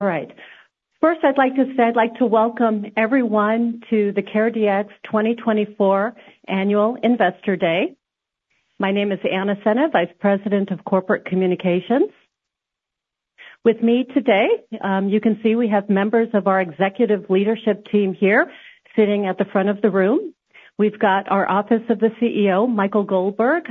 All right. First, I'd like to say, I'd like to welcome everyone to the CareDx 2024 Annual Investor Day. My name is Anna Czene, Vice President of Corporate Communications. With me today, you can see we have members of our executive leadership team here sitting at the front of the room. We've got our Office of the CEO, Michael Goldberg,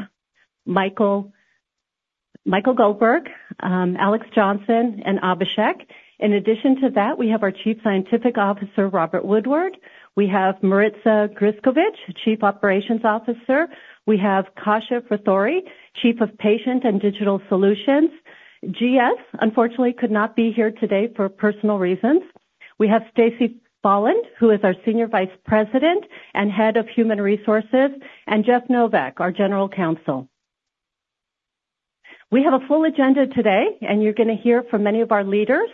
Alex Johnson, and Abhishek Jain. In addition to that, we have our Chief Scientific Officer, Robert Woodward. We have Marica Grskovic, Chief Operations Officer. We have Kashif Rathore, Chief of Patient and Digital Solutions. GS, unfortunately, could not be here today for personal reasons. We have Stacy Boland, who is our Senior Vice President and Head of Human Resources, and Jeff Novak, our General Counsel. We have a full agenda today, and you're going to hear from many of our leaders,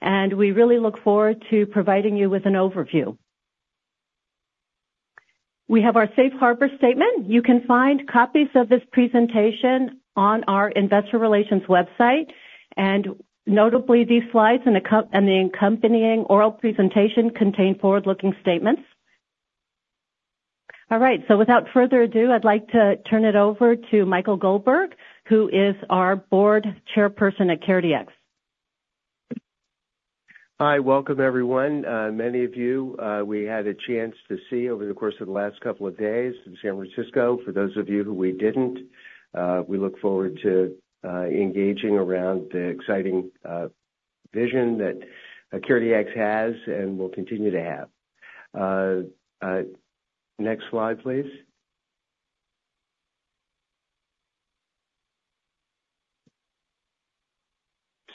and we really look forward to providing you with an overview. We have our safe harbor statement. You can find copies of this presentation on our investor relations website, and notably, these slides and the accompanying oral presentation contain forward-looking statements. All right, so without further ado, I'd like to turn it over to Michael Goldberg, who is our Chairman of the Board at CareDx. Hi, welcome everyone. Many of you, we had a chance to see over the course of the last couple of days in San Francisco. For those of you who we didn't, we look forward to engaging around the exciting vision that CareDx has and will continue to have. Next slide, please.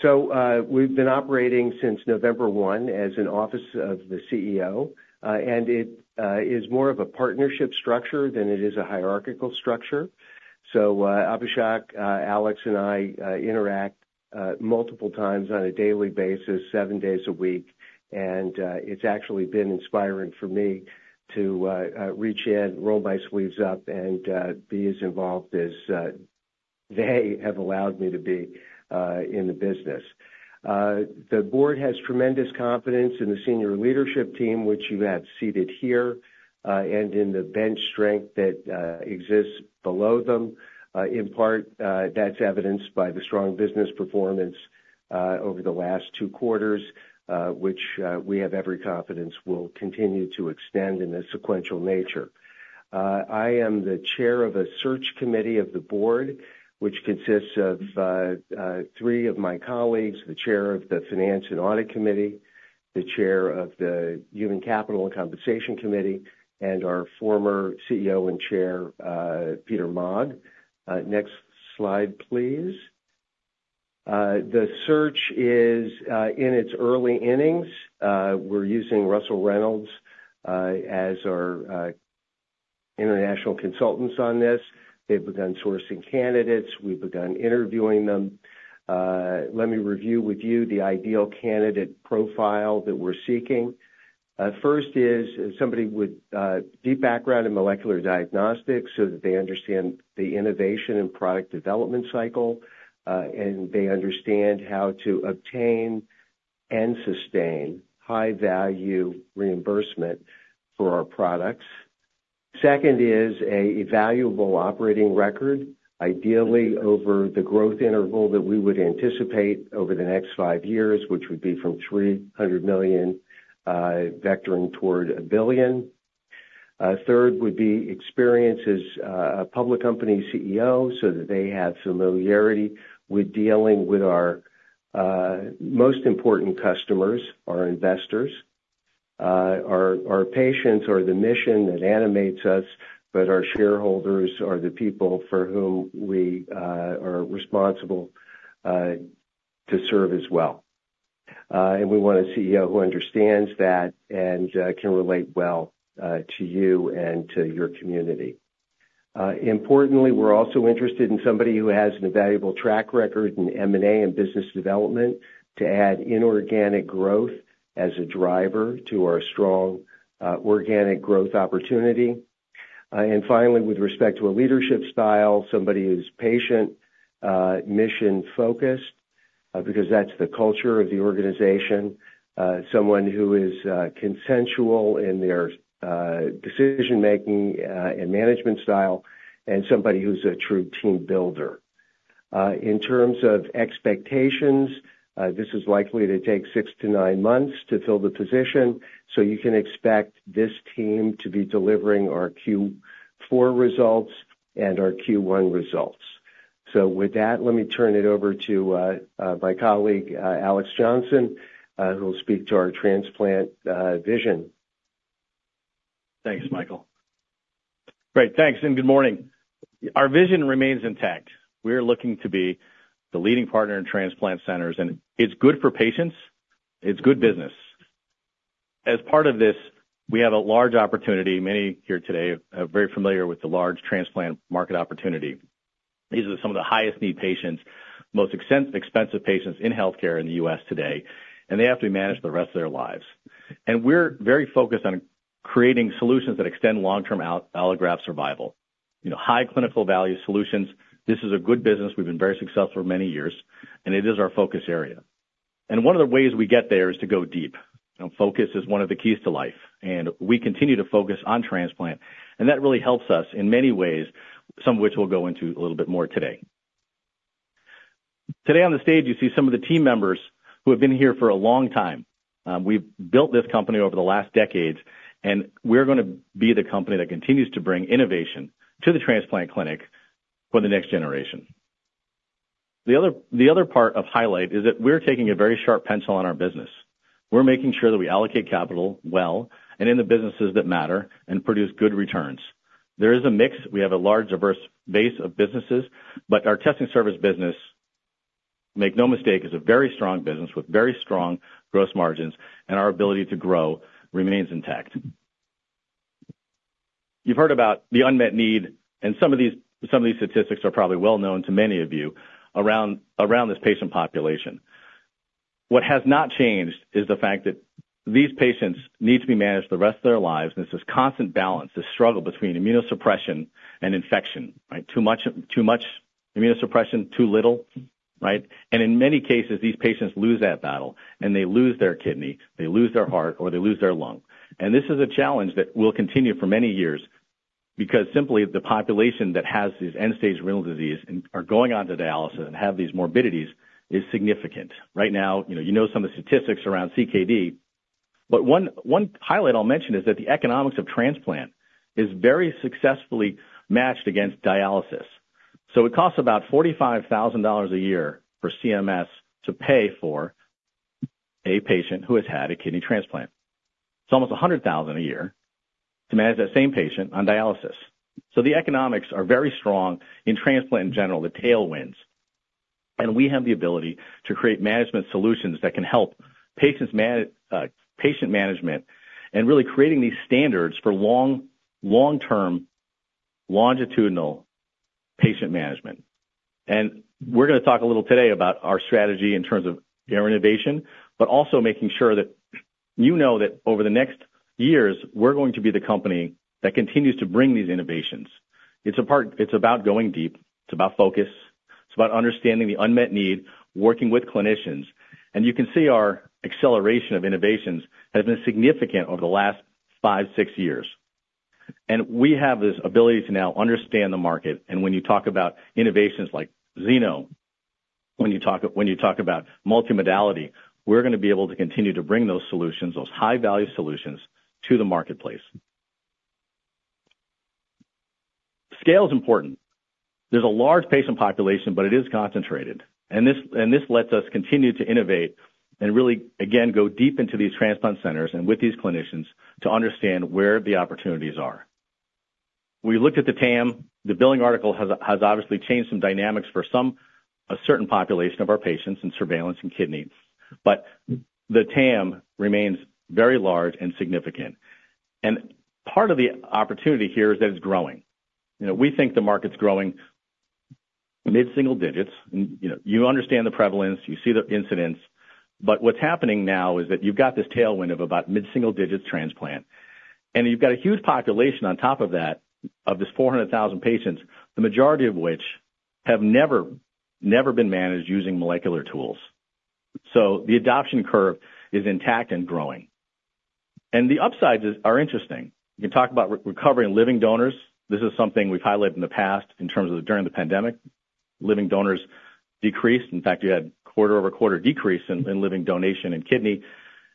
So, we've been operating since November 1 as an Office of the CEO, and it is more of a partnership structure than it is a hierarchical structure. So, Abhishek, Alex and I interact multiple times on a daily basis, seven days a week, and it's actually been inspiring for me to reach in, roll my sleeves up, and be as involved as they have allowed me to be in the business. The board has tremendous confidence in the senior leadership team, which you have seated here, and in the bench strength that exists below them. In part, that's evidenced by the strong business performance over the last two quarters, which we have every confidence will continue to extend in a sequential nature. I am the chair of a search committee of the board, which consists of three of my colleagues, the chair of the Finance and Audit Committee, the chair of the Human Capital and Compensation Committee, and our former CEO and chair, Peter Maag. Next slide, please. The search is in its early innings. We're using Russell Reynolds as our international consultants on this. They've begun sourcing candidates. We've begun interviewing them. Let me review with you the ideal candidate profile that we're seeking. First is somebody with deep background in molecular diagnostics so that they understand the innovation and product development cycle, and they understand how to obtain and sustain high-value reimbursement for our products. Second is a valuable operating record, ideally over the growth interval that we would anticipate over the next five years, which would be from $300 million growing toward $1 billion. Third would be experience as a public company CEO, so that they have familiarity with dealing with our most important customers, our investors. Our patients are the mission that animates us, but our shareholders are the people for whom we are responsible to serve as well. And we want a CEO who understands that and can relate well to you and to your community. Importantly, we're also interested in somebody who has an invaluable track record in M&A and business development to add inorganic growth as a driver to our strong organic growth opportunity. And finally, with respect to a leadership style, somebody who's patient, mission-focused, because that's the culture of the organization. Someone who is consensual in their decision-making and management style, and somebody who's a true team builder. In terms of expectations, this is likely to take six to nine months to fill the position, so you can expect this team to be delivering our Q4 results and our Q1 results. With that, let me turn it over to my colleague, Alex Johnson, who will speak to our transplant vision. Thanks, Michael. Great. Thanks, and good morning. Our vision remains intact. We are looking to be the leading partner in transplant centers, and it's good for patients. It's good business. As part of this, we have a large opportunity. Many here today are very familiar with the large transplant market opportunity. These are some of the highest-need patients, most expensive patients in healthcare in the U.S. today, and they have to be managed for the rest of their lives. And we're very focused on creating solutions that extend long-term allograft survival. You know, high clinical value solutions. This is a good business. We've been very successful for many years, and it is our focus area. And one of the ways we get there is to go deep. Focus is one of the keys to life, and we continue to focus on transplant, and that really helps us in many ways, some of which we'll go into a little bit more today. Today, on the stage, you see some of the team members who have been here for a long time. We've built this company over the last decades, and we're going to be the company that continues to bring innovation to the transplant clinic for the next generation. The other, the other part of highlight is that we're taking a very sharp pencil on our business. We're making sure that we allocate capital well and in the businesses that matter and produce good returns. There is a mix. We have a large, diverse base of businesses, but our testing service business, make no mistake, is a very strong business with very strong gross margins, and our ability to grow remains intact. You've heard about the unmet need, and some of these statistics are probably well known to many of you around this patient population. What has not changed is the fact that these patients need to be managed the rest of their lives, and it's this constant balance, this struggle between immunosuppression and infection, right? Too much immunosuppression, too little, right? And in many cases, these patients lose that battle, and they lose their kidney, they lose their heart, or they lose their lung. This is a challenge that will continue for many years because simply the population that has this End-Stage Renal Disease and are going on to dialysis and have these morbidities is significant. Right now, you know some of the statistics around CKD, but one highlight I'll mention is that the economics of transplant is very successfully matched against dialysis. So it costs about $45,000 a year for CMS to pay for a patient who has had a kidney transplant. It's almost $100,000 a year to manage that same patient on dialysis. So the economics are very strong in transplant in general, the tailwinds, and we have the ability to create management solutions that can help patients, patient management and really creating these standards for long-term, longitudinal patient management. We're going to talk a little today about our strategy in terms of our innovation, but also making sure that you know that over the next years, we're going to be the company that continues to bring these innovations. It's a part. It's about going deep, it's about focus, it's about understanding the unmet need, working with clinicians. You can see our acceleration of innovations has been significant over the last five, six years. We have this ability to now understand the market, and when you talk about innovations like Xeno, when you talk, when you talk about multimodality, we're going to be able to continue to bring those solutions, those high-value solutions, to the marketplace. Scale is important. There's a large patient population, but it is concentrated, and this, and this lets us continue to innovate and really, again, go deep into these transplant centers and with these clinicians to understand where the opportunities are. We looked at the TAM. The billing article has, has obviously changed some dynamics for some, a certain population of our patients in surveillance and kidney, but the TAM remains very large and significant. Part of the opportunity here is that it's growing. You know, we think the market's growing mid-single digits. You know, you understand the prevalence, you see the incidents, but what's happening now is that you've got this tailwind of about mid-single digits transplant, and you've got a huge population on top of that, of this 400,000 patients, the majority of which have never, never been managed using molecular tools. So the adoption curve is intact and growing. The upsides is, are interesting. You can talk about recovering living donors. This is something we've highlighted in the past in terms of during the pandemic. Living donors decreased. In fact, you had quarter-over-quarter decrease in living donation in kidney,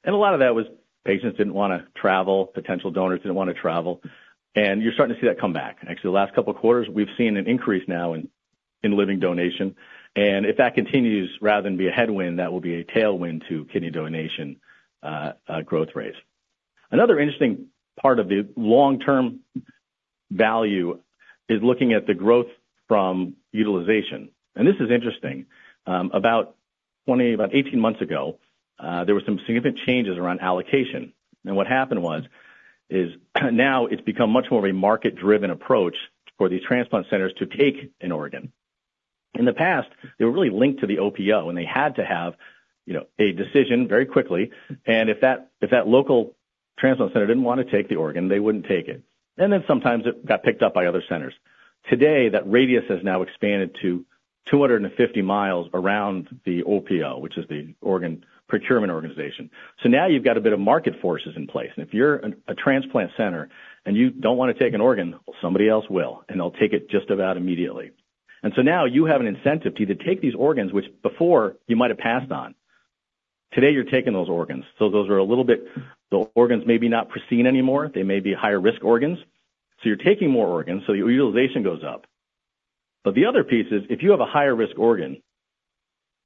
and a lot of that was patients didn't want to travel, potential donors didn't want to travel, and you're starting to see that come back. Actually, the last couple of quarters, we've seen an increase now in living donation, and if that continues, rather than be a headwind, that will be a tailwind to kidney donation growth rates. Another interesting part of the long-term value is looking at the growth from utilization, and this is interesting. About 20, about 18 months ago, there were some significant changes around allocation. What happened was, now it's become much more of a market-driven approach for these transplant centers to take an organ. In the past, they were really linked to the OPO, and they had to have, you know, a decision very quickly, and if that local transplant center didn't want to take the organ, they wouldn't take it. And then sometimes it got picked up by other centers. Today, that radius has now expanded to 250 miles around the OPO, which is the organ procurement organization. So now you've got a bit of market forces in place, and if you're a transplant center and you don't want to take an organ, somebody else will, and they'll take it just about immediately. And so now you have an incentive to either take these organs, which before you might have passed on. Today, you're taking those organs, so those are a little bit. The organs may be not pristine anymore. They may be higher risk organs, so you're taking more organs, so your utilization goes up. But the other piece is, if you have a higher risk organ,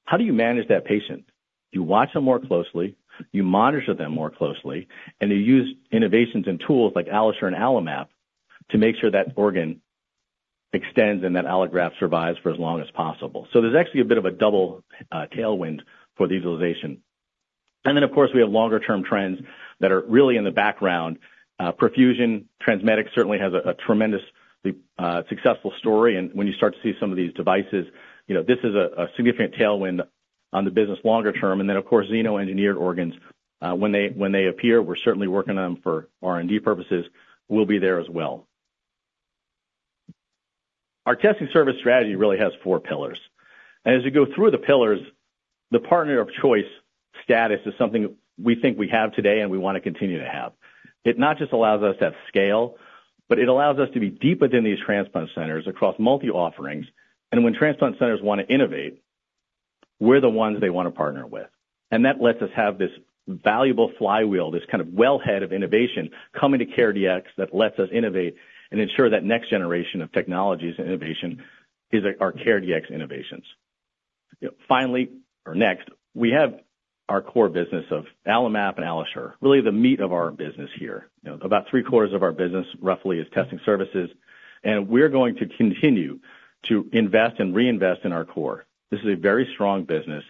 how do you manage that patient? You watch them more closely, you monitor them more closely, and you use innovations and tools like AlloSure and AlloMap to make sure that organ extends and that allograft survives for as long as possible. So there's actually a bit of a double tailwind for the utilization. And then, of course, we have longer-term trends that are really in the background. Perfusion. TransMedics certainly has a tremendously successful story, and when you start to see some of these devices, you know, this is a significant tailwind. On the business longer term, and then, of course, xeno-engineered organs, when they, when they appear, we're certainly working on them for R&D purposes. We'll be there as well. Our testing service strategy really has four pillars. As we go through the pillars, the partner of choice status is something we think we have today, and we want to continue to have. It not just allows us to have scale, but it allows us to be deep within these transplant centers across multi-offerings. When transplant centers want to innovate, we're the ones they want to partner with. That lets us have this valuable flywheel, this kind of wellhead of innovation coming to CareDx that lets us innovate and ensure that next generation of technologies and innovation is our CareDx innovations. Finally, or next, we have our core business of AlloMap and AlloSure. Really, the meat of our business here. You know, about three-quarters of our business, roughly, is testing services, and we're going to continue to invest and reinvest in our core. This is a very strong business,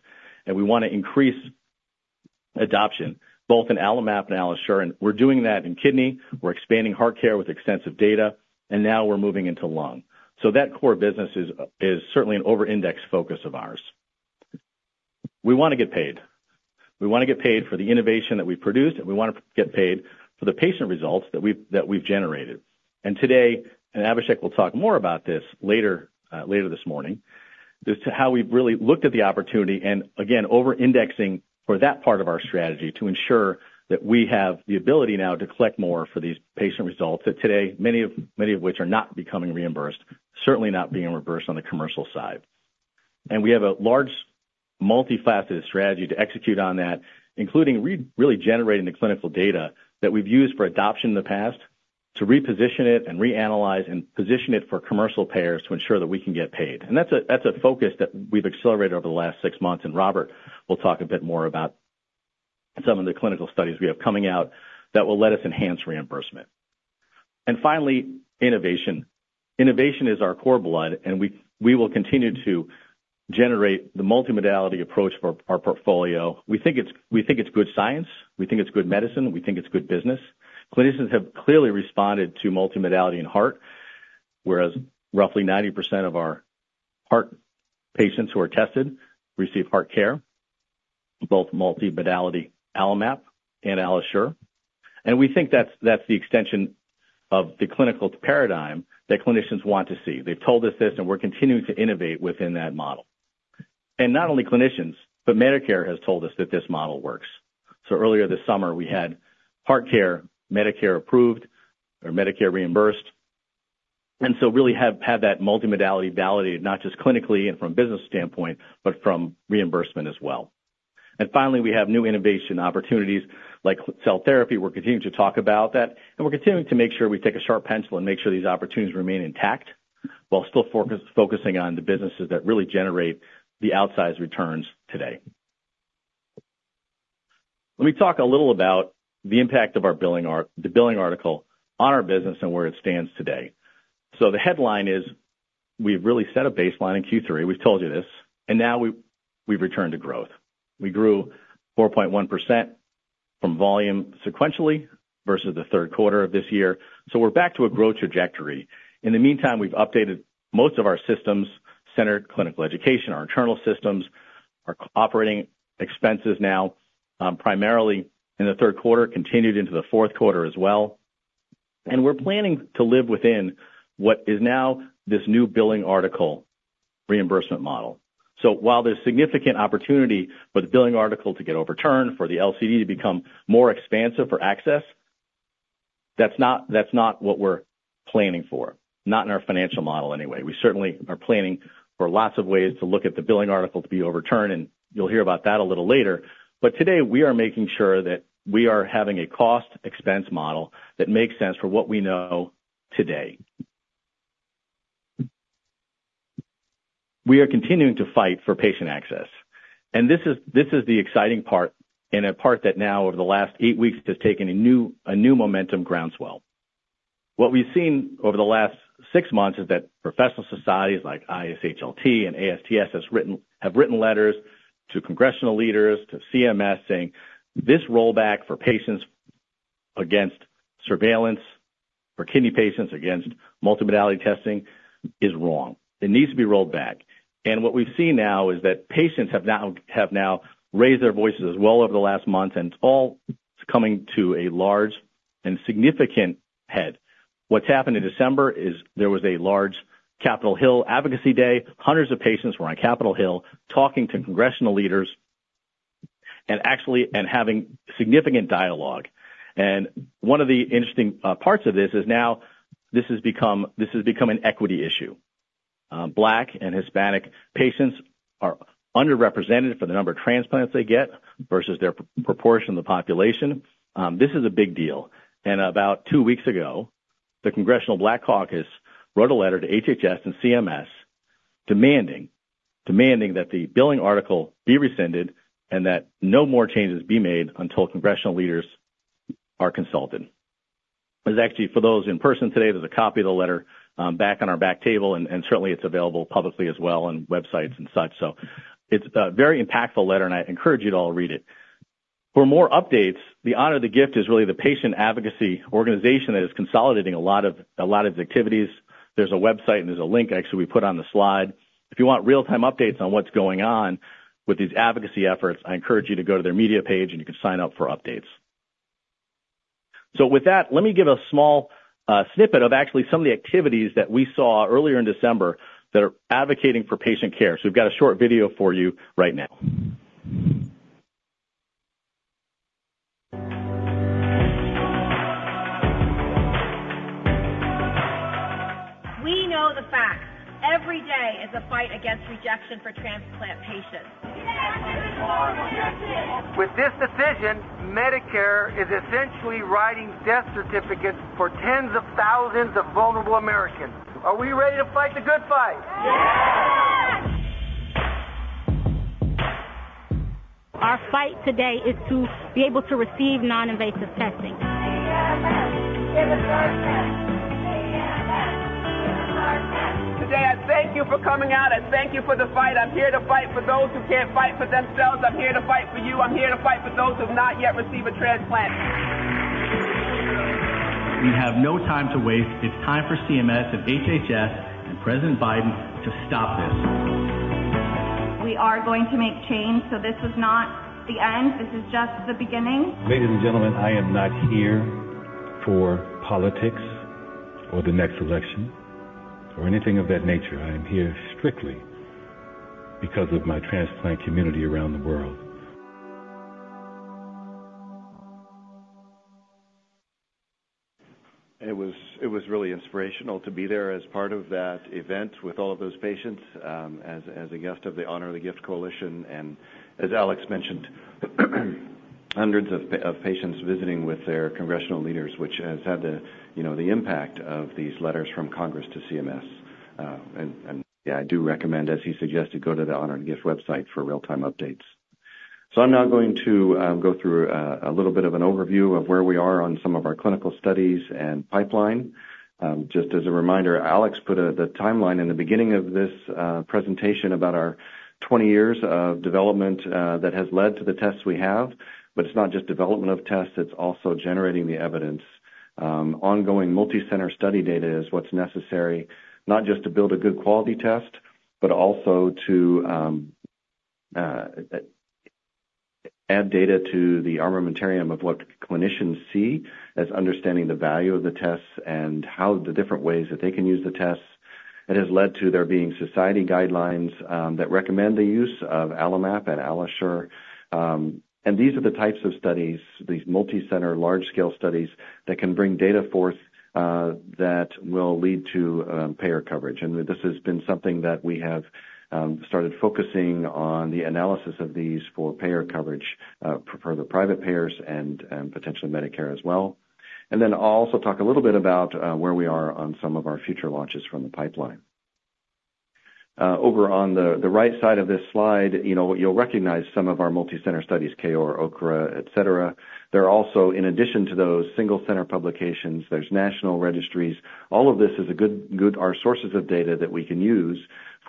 and we want to increase adoption, both in AlloMap and AlloSure, and we're doing that in kidney. We're expanding HeartCare with extensive data, and now we're moving into lung. So that core business is, is certainly an overindex focus of ours. We want to get paid. We want to get paid for the innovation that we produced, and we want to get paid for the patient results that we've, that we've generated. Today, Abhishek will talk more about this later this morning, as to how we've really looked at the opportunity and again, overindexing for that part of our strategy to ensure that we have the ability now to collect more for these patient results, that today, many of which are not becoming reimbursed, certainly not being reimbursed on the commercial side. And we have a large, multifaceted strategy to execute on that, including really generating the clinical data that we've used for adoption in the past to reposition it and reanalyze and position it for commercial payers to ensure that we can get paid. And that's a focus that we've accelerated over the last six months, and Robert will talk a bit more about some of the clinical studies we have coming out that will let us enhance reimbursement. And finally, innovation. Innovation is our core blood, and we, we will continue to generate the multimodality approach for our portfolio. We think it's, we think it's good science, we think it's good medicine, we think it's good business. Clinicians have clearly responded to multimodality in heart, whereas roughly 90% of our heart patients who are tested receive HeartCare, both multimodality AlloMap and AlloSure. And we think that's, that's the extension of the clinical paradigm that clinicians want to see. They've told us this, and we're continuing to innovate within that model. And not only clinicians, but Medicare has told us that this model works. So earlier this summer, we had HeartCare, Medicare approved or Medicare reimbursed, and so really have had that multimodality validated, not just clinically and from a business standpoint, but from reimbursement as well. And finally, we have new innovation opportunities like cell therapy. We're continuing to talk about that, and we're continuing to make sure we take a sharp pencil and make sure these opportunities remain intact while still focusing on the businesses that really generate the outsized returns today. Let me talk a little about the impact of our billing article on our business and where it stands today. So the headline is: we've really set a baseline in Q3. We've told you this, and now we've returned to growth. We grew 4.1% from volume sequentially versus the third quarter of this year. So we're back to a growth trajectory. In the meantime, we've updated most of our systems, centered clinical education, our internal systems, our operating expenses now, primarily in the third quarter, continued into the fourth quarter as well. We're planning to live within what is now this new billing article reimbursement model. So while there's significant opportunity for the billing article to get overturned, for the LCD to become more expansive for access, that's not, that's not what we're planning for, not in our financial model anyway. We certainly are planning for lots of ways to look at the billing article to be overturned, and you'll hear about that a little later. But today, we are making sure that we are having a cost expense model that makes sense for what we know today. We are continuing to fight for patient access, and this is, this is the exciting part, and a part that now, over the last eight weeks, has taken a new, a new momentum groundswell. What we've seen over the last six months is that professional societies like ISHLT and ASTS have written letters to congressional leaders, to CMS, saying, "This rollback for patients against surveillance, for kidney patients against multimodality testing is wrong. It needs to be rolled back." And what we've seen now is that patients have now raised their voices as well over the last month, and it's all coming to a large and significant head. What's happened in December is there was a large Capitol Hill advocacy day. Hundreds of patients were on Capitol Hill talking to congressional leaders and actually having significant dialogue. And one of the interesting parts of this is now this has become an equity issue. Black and Hispanic patients are underrepresented for the number of transplants they get versus their proportion of the population. This is a big deal, and about two weeks ago, the Congressional Black Caucus wrote a letter to HHS and CMS demanding that the billing article be rescinded and that no more changes be made until congressional leaders are consulted. There's actually, for those in person today, there's a copy of the letter, back on our back table, and certainly, it's available publicly as well on websites and such. So it's a very impactful letter, and I encourage you to all read it. For more updates, the Honor the Gift is really the patient advocacy organization that is consolidating a lot of its activities. There's a website, and there's a link actually, we put on the slide. If you want real-time updates on what's going on with these advocacy efforts, I encourage you to go to their media page, and you can sign up for updates. So with that, let me give a small, snippet of actually some of the activities that we saw earlier in December that are advocating for patient care. So we've got a short video for you right now. It was really inspirational to be there as part of that event with all of those patients, as a guest of the Honor the Gift Coalition. As Alex mentioned, hundreds of patients visiting with their congressional leaders, which has had the, you know, the impact of these letters from Congress to CMS. I do recommend, as he suggested, go to the Honor the Gift website for real-time updates. So I'm now going to go through a little bit of an overview of where we are on some of our clinical studies and pipeline. Just as a reminder, Alex put the timeline in the beginning of this presentation about our 20 years of development that has led to the tests we have. But it's not just development of tests, it's also generating the evidence. Ongoing multicenter study data is what's necessary, not just to build a good quality test, but also to add data to the armamentarium of what clinicians see as understanding the value of the tests and how the different ways that they can use the tests. It has led to there being society guidelines that recommend the use of AlloMap and AlloSure. And these are the types of studies, these multicenter, large-scale studies, that can bring data forth that will lead to payer coverage. And this has been something that we have started focusing on the analysis of these for payer coverage for the private payers and potentially Medicare as well. And then I'll also talk a little bit about where we are on some of our future launches from the pipeline. Over on the right side of this slide, you know, you'll recognize some of our multicenter studies, KOAR, OKRA, et cetera. There are also, in addition to those single center publications, there's national registries. All of this is a good source of data that we can use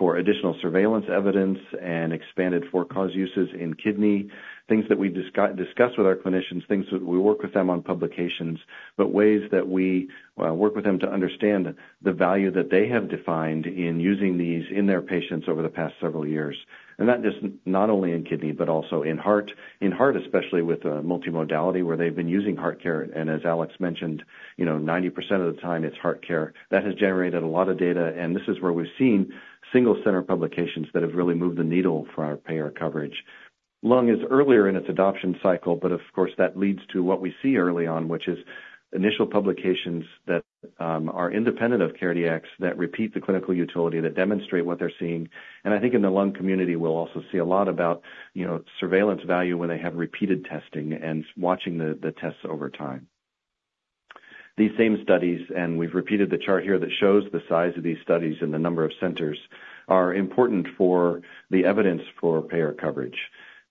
for additional surveillance evidence and expanded for-cause uses in kidney, things that we discuss with our clinicians, things that we work with them on publications, but ways that we work with them to understand the value that they have defined in using these in their patients over the past several years. And that is not only in kidney, but also in heart. In heart, especially with multimodality, where they've been using HeartCare, and as Alex mentioned, you know, 90% of the time it's HeartCare. That has generated a lot of data, and this is where we've seen single center publications that have really moved the needle for our payer coverage. Lung is earlier in its adoption cycle, but of course, that leads to what we see early on, which is initial publications that are independent of CareDx, that repeat the clinical utility, that demonstrate what they're seeing. And I think in the lung community, we'll also see a lot about, you know, surveillance value when they have repeated testing and watching the tests over time. These same studies, and we've repeated the chart here that shows the size of these studies and the number of centers, are important for the evidence for payer coverage.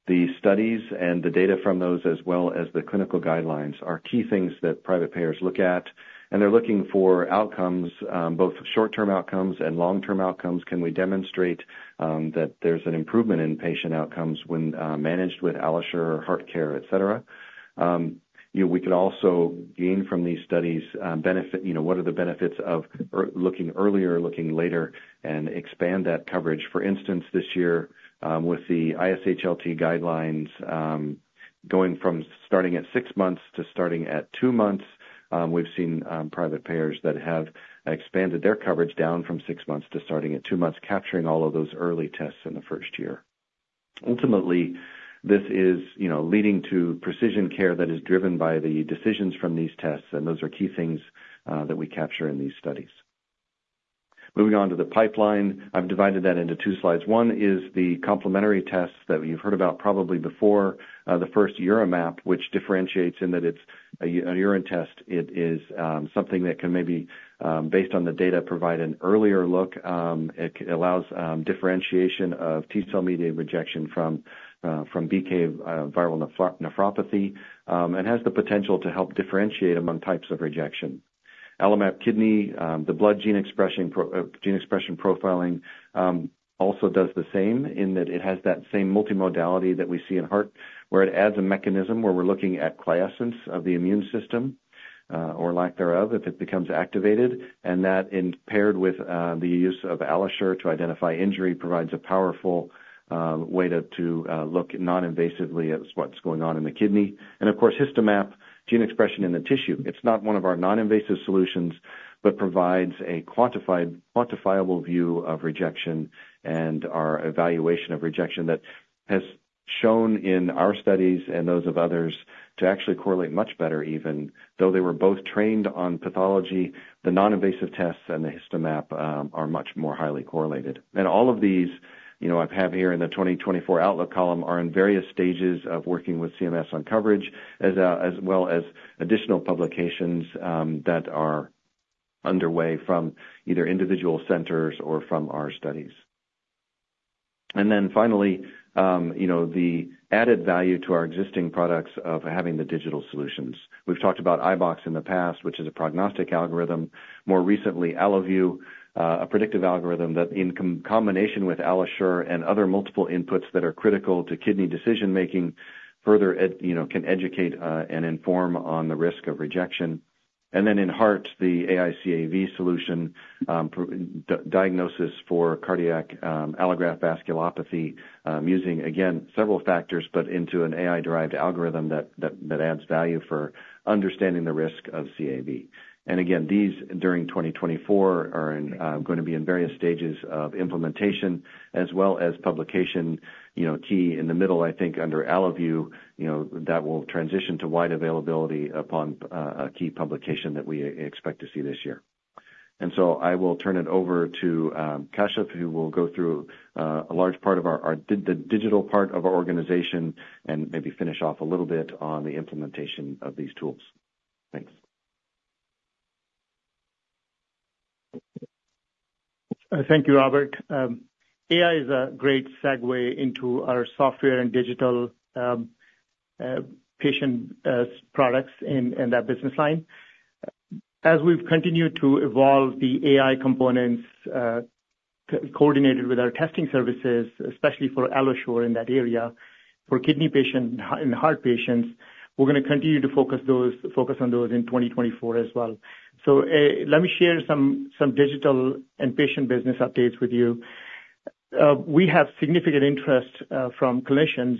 The studies and the data from those, as well as the clinical guidelines, are key things that private payers look at, and they're looking for outcomes, both short-term outcomes and long-term outcomes. Can we demonstrate that there's an improvement in patient outcomes when managed with AlloSure, HeartCare, et cetera? You know, we could also gain from these studies, you know, what are the benefits of looking earlier, looking later, and expand that coverage. For instance, this year, with the ISHLT guidelines, going from starting at 6 months to starting at 2 months, we've seen private payers that have expanded their coverage down from 6 months to starting at two months, capturing all of those early tests in the first year. Ultimately, this is, you know, leading to precision care that is driven by the decisions from these tests, and those are key things that we capture in these studies. Moving on to the pipeline. I've divided that into two slides. One is the complementary tests that you've heard about probably before, the first UroMap, which differentiates in that it's a urine test. It is something that can maybe, based on the data, provide an earlier look. It allows differentiation of T-cell mediated rejection from from BK viral nephropathy, and has the potential to help differentiate among types of rejection. AlloMap Kidney, the blood gene expression profiling, also does the same, in that it has that same multimodality that we see in heart, where it adds a mechanism where we're looking at quiescence of the immune system, or lack thereof, if it becomes activated. And that paired with the use of AlloSure to identify injury, provides a powerful way to look noninvasively at what's going on in the kidney. And of course, HistoMap, gene expression in the tissue. It's not one of our noninvasive solutions, but provides a quantifiable view of rejection and our evaluation of rejection that has shown in our studies and those of others, to actually correlate much better even though they were both trained on pathology. The noninvasive tests and the HistoMap are much more highly correlated. All of these, you know, I have here in the 2024 outlook column, are in various stages of working with CMS on coverage, as well as additional publications that are underway from either individual centers or from our studies. Then finally, you know, the added value to our existing products of having the digital solutions. We've talked about iBox in the past, which is a prognostic algorithm. More recently, AlloView, a predictive algorithm that in combination with AlloSure and other multiple inputs that are critical to kidney decision-making, further can educate and inform on the risk of rejection. Then in heart, the AI-CAV solution, diagnosis for cardiac allograft vasculopathy, using, again, several factors, but into an AI-derived algorithm that adds value for understanding the risk of CAV. Again, these during 2024 are going to be in various stages of implementation as well as publication. You know, key in the middle, I think, under AlloView, you know, that will transition to wide availability upon a key publication that we expect to see this year. So I will turn it over to Kashif, who will go through a large part of the digital part of our organization, and maybe finish off a little bit on the implementation of these tools. Thanks. Thank you, Robert. AI is a great segue into our software and digital patient products in that business line. As we've continued to evolve the AI components, coordinated with our testing services, especially for AlloSure in that area, for kidney patient and heart patients, we're going to continue to focus on those in 2024 as well. Let me share some digital and patient business updates with you. We have significant interest from clinicians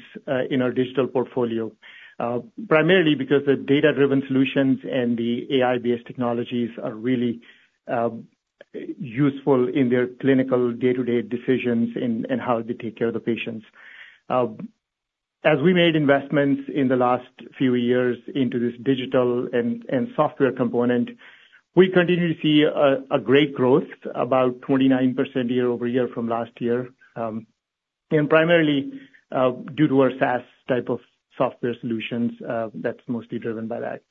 in our digital portfolio, primarily because the data-driven solutions and the AI-based technologies are really useful in their clinical day-to-day decisions in how they take care of the patients. As we made investments in the last few years into this digital and software component, we continue to see a great growth, about 29% year-over-year from last year, and primarily due to our SaaS type of software solutions, that's mostly driven by that.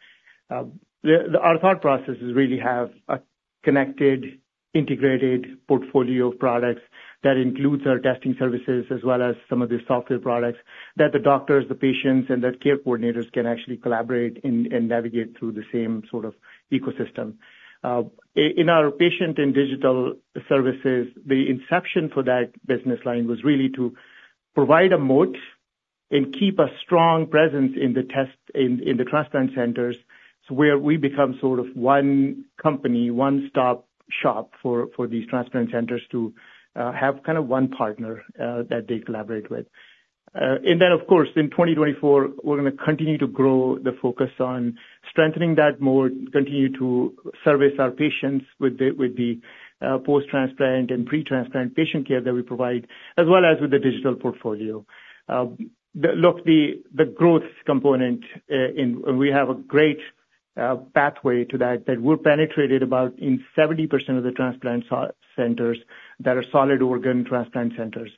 Our thought processes really have a connected, integrated portfolio of products that includes our testing services, as well as some of the software products that the doctors, the patients, and the care coordinators can actually collaborate and navigate through the same sort of ecosystem. In our patient and digital services, the inception for that business line was really to provide a moat and keep a strong presence in the testing in the transplant centers, so where we become sort of one company, one stop shop for these transplant centers to have kind of one partner that they collaborate with. And then, of course, in 2024, we're going to continue to grow the focus on strengthening that moat, continue to service our patients with the post-transplant and pre-transplant patient care that we provide, as well as with the digital portfolio. Look, the growth component, and we have a great pathway to that, that we've penetrated about in 70% of the transplant centers that are solid organ transplant centers.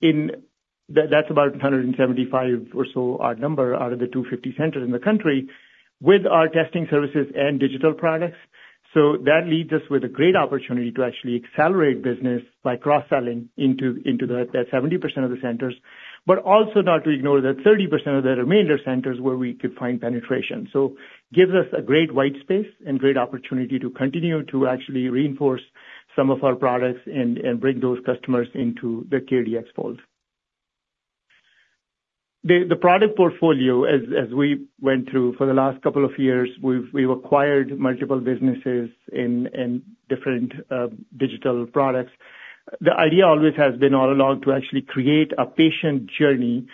In. That's about 175 or so, our number, out of the 250 centers in the country with our testing services and digital products. So that leaves us with a great opportunity to actually accelerate business by cross-selling into that 70% of the centers, but also not to ignore that 30% of the remainder centers where we could find penetration. So gives us a great wide space and great opportunity to continue to actually reinforce some of our products and bring those customers into the CareDx fold. The product portfolio, as we went through for the last couple of years, we've acquired multiple businesses in different digital products. The idea always has been all along to actually create a patient journey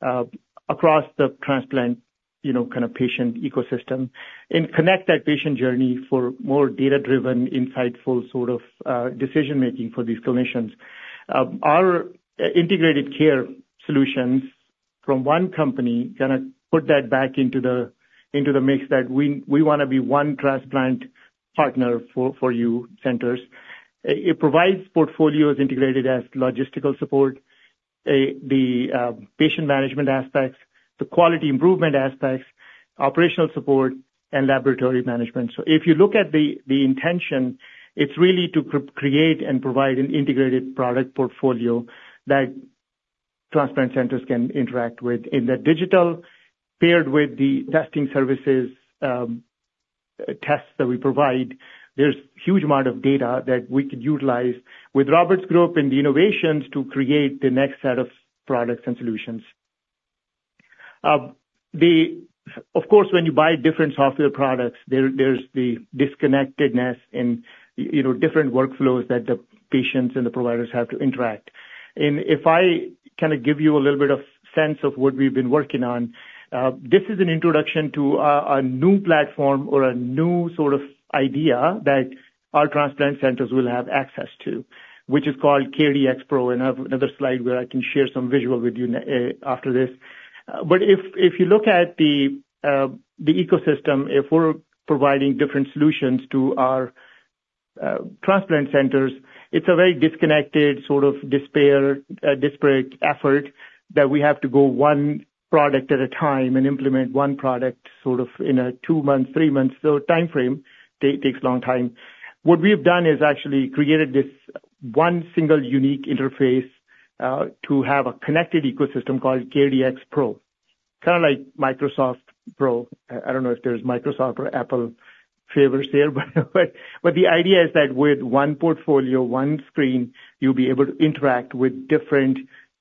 across the transplant, you know, kind of patient ecosystem, and connect that patient journey for more data-driven, insightful, sort of decision-making for these clinicians. Our integrated care solutions from one company going to put that back into the, into the mix that we wanna be one transplant partner for you centers. It provides portfolios integrated as logistical support, the patient management aspects, the quality improvement aspects, operational support, and laboratory management. So if you look at the intention, it's really to create and provide an integrated product portfolio that. Transplant centers can interact with in the digital, paired with the testing services, tests that we provide, there's huge amount of data that we could utilize with Roberts Group and the innovations to create the next set of products and solutions. Of course, when you buy different software products, there's the disconnectedness in, you know, different workflows that the patients and the providers have to interact. And if I can give you a little bit of sense of what we've been working on, this is an introduction to a new platform or a new sort of idea that our transplant centers will have access to, which is called CareDx Pro. And I have another slide where I can share some visual with you after this. But if you look at the ecosystem, if we're providing different solutions to our transplant centers, it's a very disconnected, sort of disparate effort that we have to go one product at a time and implement one product, sort of in a two months, three months so timeframe, takes a long time. What we have done is actually created this one single unique interface to have a connected ecosystem called CareDx Pro. Kind of like Microsoft Pro. I don't know if there's Microsoft or Apple fans there, but the idea is that with one portfolio, one screen, you'll be able to interact with different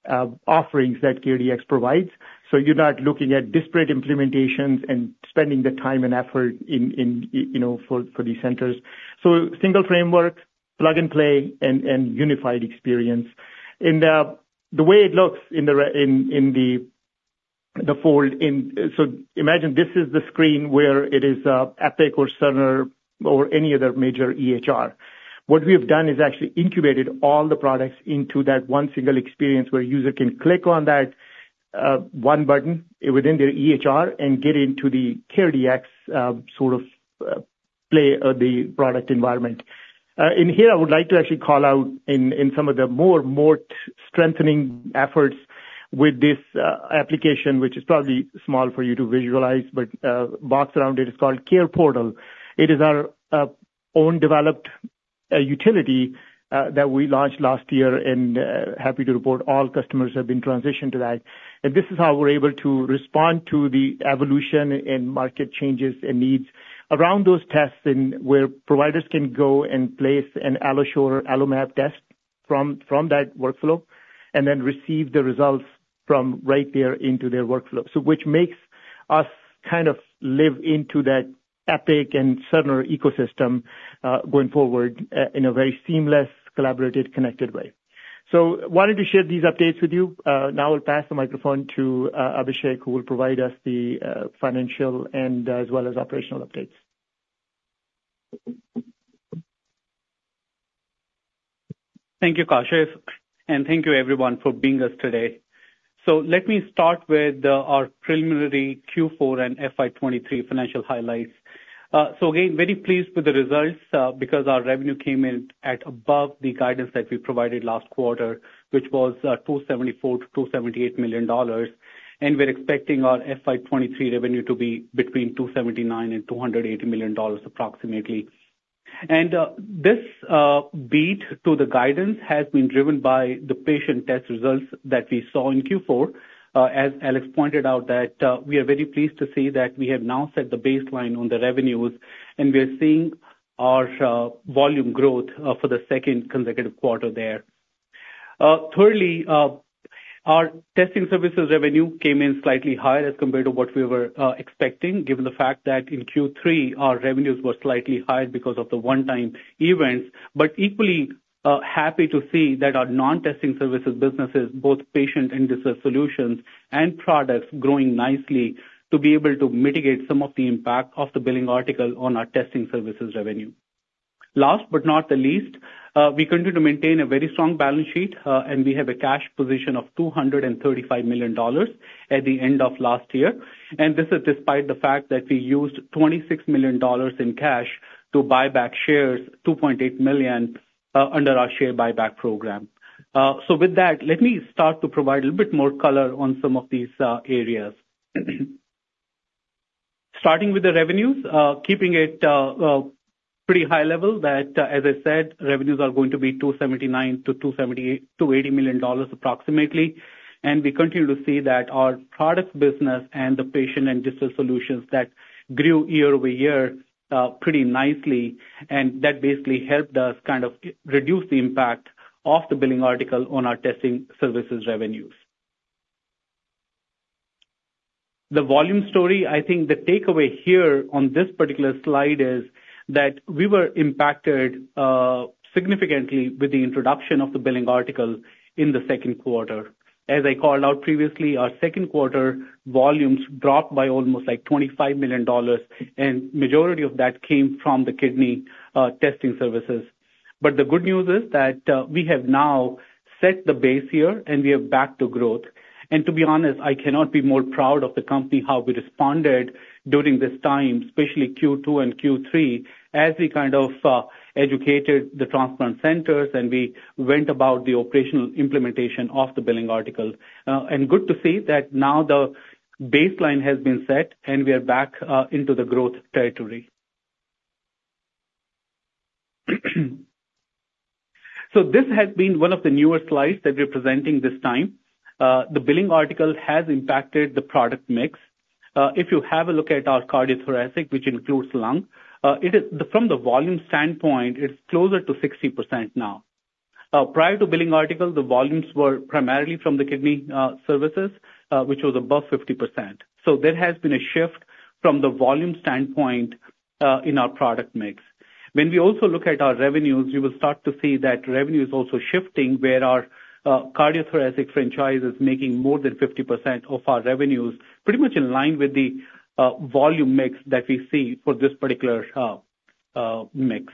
offerings that CareDx provides. So you're not looking at disparate implementations and spending the time and effort in, you know, for these centers. Single framework, plug and play, and unified experience. The way it looks in the re-- in the fold in. So imagine this is the screen where it is, Epic or Cerner or any other major EHR. What we have done is actually incubated all the products into that one single experience, where a user can click on that, one button within their EHR and get into the CareDx play, the product environment. In here, I would like to actually call out in some of the more strengthening efforts with this, application, which is probably small for you to visualize, but, box around it is called CarePortal. It is our own developed utility that we launched last year, and happy to report all customers have been transitioned to that. This is how we're able to respond to the evolution and market changes and needs around those tests, and where providers can go and place an AlloSure AlloMap test from that workflow, and then receive the results from right there into their workflow. Which makes us kind of live into that Epic and Cerner ecosystem going forward in a very seamless, collaborative, connected way. Wanted to share these updates with you. Now I'll pass the microphone to Abhishek, who will provide us the financial and as well as operational updates. Thank you, Kashif, and thank you everyone for being with us today. Let me start with our preliminary Q4 and FY2023 financial highlights. Again, very pleased with the results, because our revenue came in at above the guidance that we provided last quarter, which was $274 million to 278 million, and we're expecting our FY2023 revenue to be between $279 million and $280 million, approximately. This beat to the guidance has been driven by the patient test results that we saw in Q4. As Alex pointed out, that we are very pleased to see that we have now set the baseline on the revenues, and we are seeing our volume growth for the second consecutive quarter there. Thirdly, our testing services revenue came in slightly higher as compared to what we were expecting, given the fact that in Q3, our revenues were slightly higher because of the one-time events. But equally, happy to see that our non-testing services businesses, both patient and digital solutions and products, growing nicely to be able to mitigate some of the impact of the billing article on our testing services revenue. Last but not the least, we continue to maintain a very strong balance sheet, and we have a cash position of $235 million at the end of last year, and this is despite the fact that we used $26 million in cash to buy back 2.8 million shares under our share buyback program. So with that, let me start to provide a little bit more color on some of these areas. Starting with the revenues, keeping it pretty high level, that, as I said, revenues are going to be $279 million to 280 million approximately. And we continue to see that our products business and the patient and digital solutions that grew year-over-year pretty nicely, and that basically helped us kind of reduce the impact of the billing article on our testing services revenues. The volume story, I think the takeaway here on this particular slide, is that we were impacted significantly with the introduction of the billing article in the second quarter. As I called out previously, our second quarter volumes dropped by almost, like, $25 million, and majority of that came from the kidney testing services. But the good news is that, we have now set the base here, and we are back to growth. To be honest, I cannot be more proud of the company, how we responded during this time, especially Q2 and Q3, as we kind of, educated the transplant centers, and we went about the operational implementation of the billing article. Good to see that now the baseline has been set, and we are back, into the growth territory. This has been one of the newer slides that we're presenting this time. The billing article has impacted the product mix. If you have a look at our cardiothoracic, which includes lung, it is - from the volume standpoint, it's closer to 60% now. Prior to billing article, the volumes were primarily from the kidney services, which was above 50%. So there has been a shift from the volume standpoint in our product mix. When we also look at our revenues, you will start to see that revenue is also shifting, where our cardiothoracic franchise is making more than 50% of our revenues, pretty much in line with the volume mix that we see for this particular mix.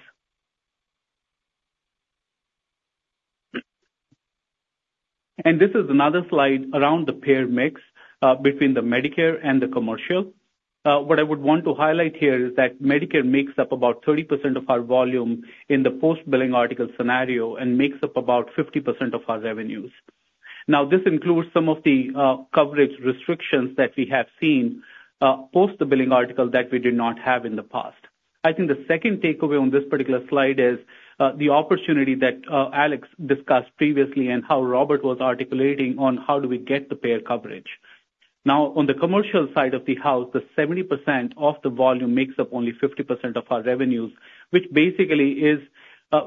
And this is another slide around the payer mix between the Medicare and the commercial. What I would want to highlight here is that Medicare makes up about 30% of our volume in the post-billing article scenario and makes up about 50% of our revenues. Now, this includes some of the coverage restrictions that we have seen post the billing article that we did not have in the past. I think the second takeaway on this particular slide is the opportunity that Alex discussed previously and how Robert was articulating on how do we get the payer coverage. Now, on the commercial side of the house, the 70% of the volume makes up only 50% of our revenues, which basically is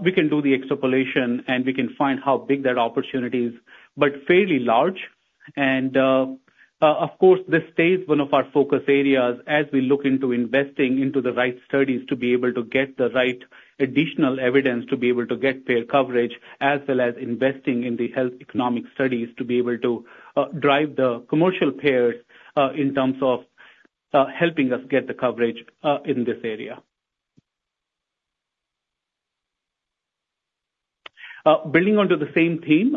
we can do the extrapolation, and we can find how big that opportunity is, but fairly large. Of course, this stays one of our focus areas as we look into investing into the right studies, to be able to get the right additional evidence, to be able to get payer coverage, as well as investing in the health economic studies to be able to drive the commercial payers in terms of helping us get the coverage in this area. Building onto the same theme,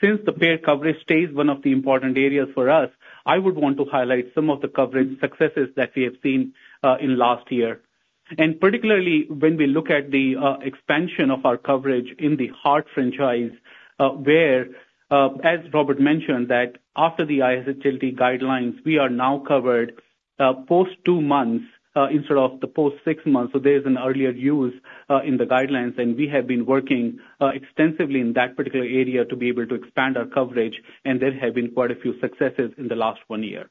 since the payer coverage stays one of the important areas for us, I would want to highlight some of the coverage successes that we have seen in last year. Particularly when we look at the expansion of our coverage in the heart franchise, where, as Robert mentioned, that after the ISHLT guidelines, we are now covered post 2 months instead of the post 6 months. So there is an earlier use in the guidelines, and we have been working extensively in that particular area to be able to expand our coverage, and there have been quite a few successes in the last one year.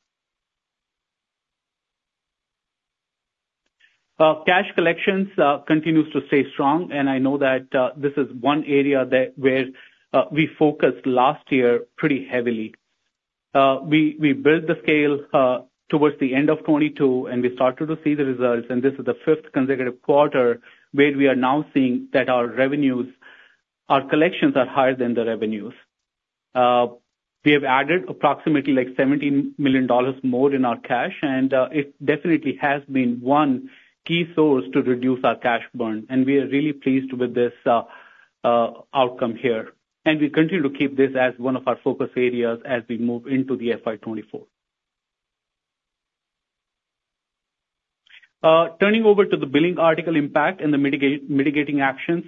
Cash collections continues to stay strong, and I know that this is one area where we focused last year pretty heavily. We built the scale towards the end of 2022, and we started to see the results, and this is the fifth consecutive quarter where we are now seeing that our revenues, our collections are higher than the revenues. We have added approximately, like, $17 million more in our cash, and it definitely has been one key source to reduce our cash burn, and we are really pleased with this outcome here. We continue to keep this as one of our focus areas as we move into the FY 2024. Turning over to the billing article impact and the mitigating actions.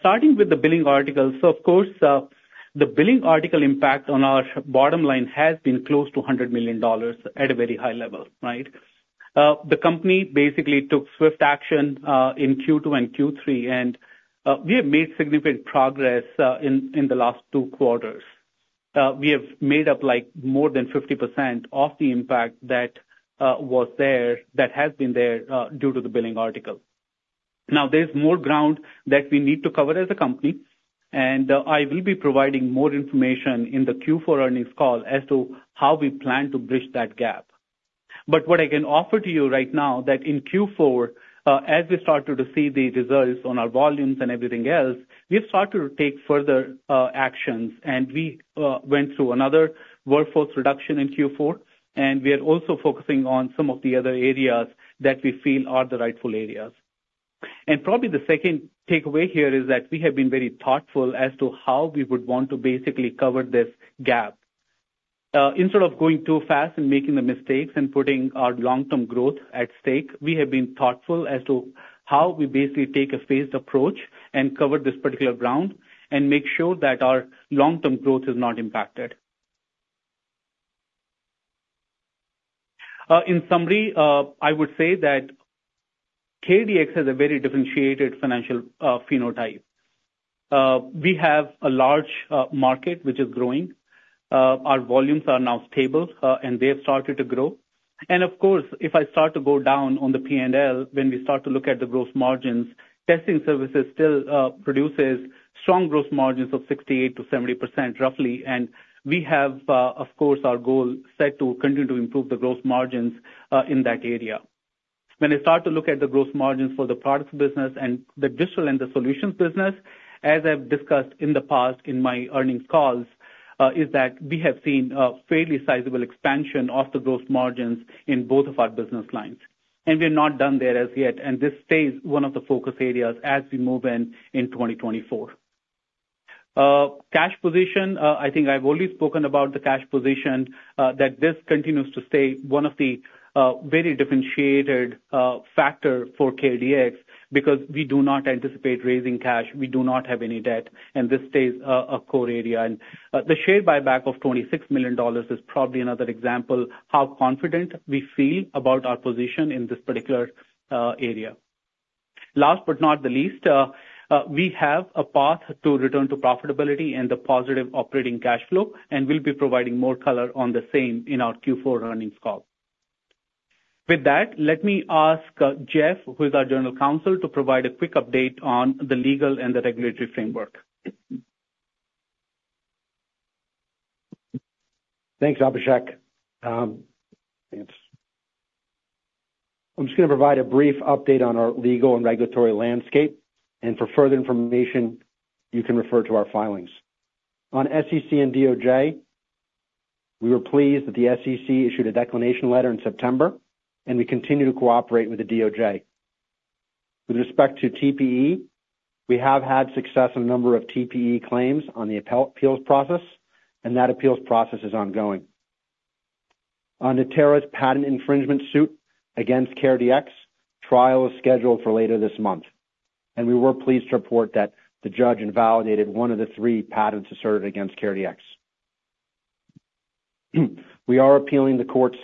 Starting with the billing article, so of course, the billing article impact on our bottom line has been close to $100 million at a very high level, right? The company basically took swift action in Q2 and Q3, and we have made significant progress in the last two quarters. We have made up, like, more than 50% of the impact that was there, that has been there due to the billing article. Now, there's more ground that we need to cover as a company, and, I will be providing more information in the Q4 earnings call as to how we plan to bridge that gap. But what I can offer to you right now, that in Q4, as we started to see the results on our volumes and everything else, we've started to take further, actions, and we, went through another workforce reduction in Q4, and we are also focusing on some of the other areas that we feel are the rightful areas. And probably the second takeaway here is that we have been very thoughtful as to how we would want to basically cover this gap. Instead of going too fast and making the mistakes and putting our long-term growth at stake, we have been thoughtful as to how we basically take a phased approach and cover this particular ground and make sure that our long-term growth is not impacted. In summary, I would say that KDX has a very differentiated financial phenotype. We have a large market, which is growing. Our volumes are now stable, and they have started to grow. And of course, if I start to go down on the P&L, when we start to look at the growth margins, testing services still produces strong growth margins of 68%-70%, roughly. And we have, of course, our goal set to continue to improve the growth margins in that area. When I start to look at the growth margins for the products business and the digital and the solutions business, as I've discussed in the past in my earnings calls, is that we have seen a fairly sizable expansion of the growth margins in both of our business lines, and we're not done there as yet, and this stays one of the focus areas as we move in 2024. Cash position, I think I've already spoken about the cash position, that this continues to stay one of the very differentiated factor for CareDx because we do not anticipate raising cash. We do not have any debt, and this stays a core area. The share buyback of $26 million is probably another example how confident we feel about our position in this particular area. Last but not the least, we have a path to return to profitability and the positive operating cash flow, and we'll be providing more color on the same in our Q4 earnings call. With that, let me ask, Jeff, who is our General Counsel, to provide a quick update on the legal and the regulatory framework. Thanks, Abhishek. I'm just going to provide a brief update on our legal and regulatory landscape, and for further information, you can refer to our filings. On SEC and DOJ, we were pleased that the SEC issued a declination letter in September, and we continue to cooperate with the DOJ. With respect to TPE, we have had success on a number of TPE claims on the appeals process, and that appeals process is ongoing. On Natera's patent infringement suit against CareDx, trial is scheduled for later this month, and we were pleased to report that the judge invalidated one of the three patents asserted against CareDx. We are appealing the court's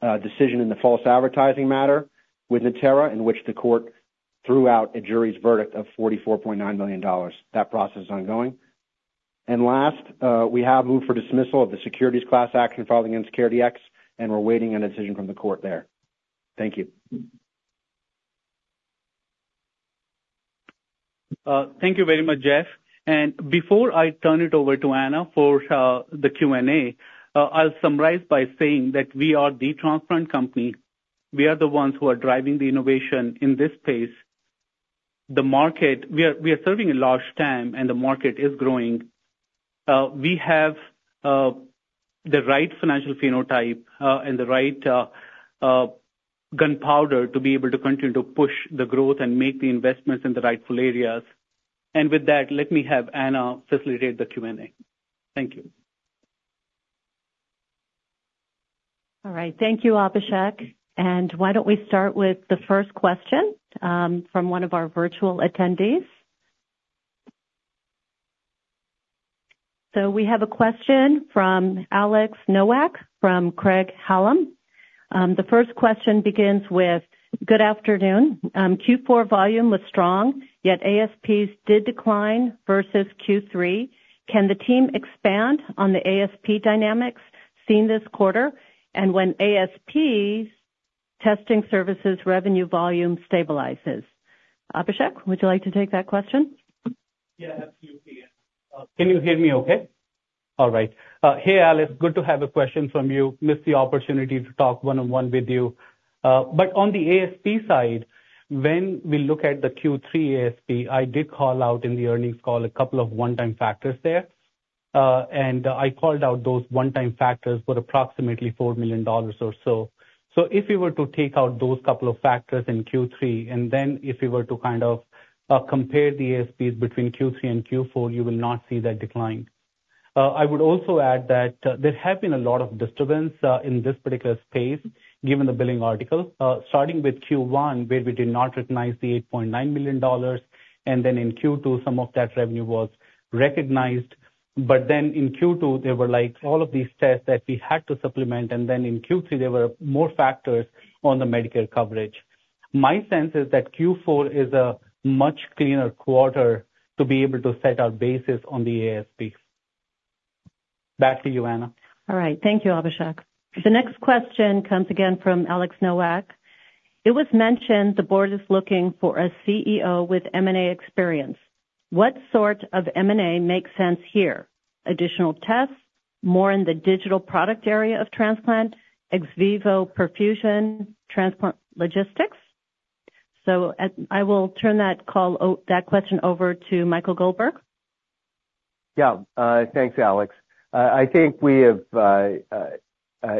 decision in the false advertising matter with Natera, in which the court threw out a jury's verdict of $44.9 million. That process is ongoing. Last, we have moved for dismissal of the securities class action filing against CareDx, and we're awaiting a decision from the court there. Thank you. Thank you very much, Jeff. And before I turn it over to Anna for the Q&A, I'll summarize by saying that we are the transplant company. We are the ones who are driving the innovation in this space. The market. We are, we are serving a large TAM, and the market is growing. We have the right financial phenotype, and the right gunpowder to be able to continue to push the growth and make the investments in the rightful areas. And with that, let me have Anna facilitate the Q&A. Thank you. All right. Thank you, Abhishek. And why don't we start with the first question, from one of our virtual attendees? So we have a question from Alex Nowak, from Craig-Hallum. The first question begins with: "Good afternoon. Q4 volume was strong, yet ASPs did decline versus Q3. Can the team expand on the ASP dynamics seen this quarter, and when ASP's testing services revenue volume stabilizes?" Abhishek, would you like to take that question? Yeah, absolutely. Can you hear me okay? All right. Hey, Alex, good to have a question from you. Missed the opportunity to talk one-on-one with you. But on the ASP side, when we look at the Q3 ASP, I did call out in the earnings call a couple of one-time factors there, and I called out those one-time factors were approximately $4 million or so. So if you were to take out those couple of factors in Q3, and then if you were to kind of compare the ASPs between Q3 and Q4, you will not see that decline. I would also add that there have been a lot of disturbance in this particular space, given the billing article starting with Q1, where we did not recognize the $8.9 million, and then in Q2, some of that revenue was recognized. But then in Q2, there were, like, all of these tests that we had to supplement, and then in Q3, there were more factors on the Medicare coverage. My sense is that Q4 is a much cleaner quarter to be able to set our basis on the ASPs. Back to you, Anna. All right. Thank you, Abhishek. The next question comes again from Alex Nowak. It was mentioned the board is looking for a CEO with M&A experience. What sort of M&A makes sense here? Additional tests, more in the digital product area of transplant, ex vivo perfusion, transplant logistics? So, I will turn that question over to Michael Goldberg. Yeah, thanks, Alex. I think we have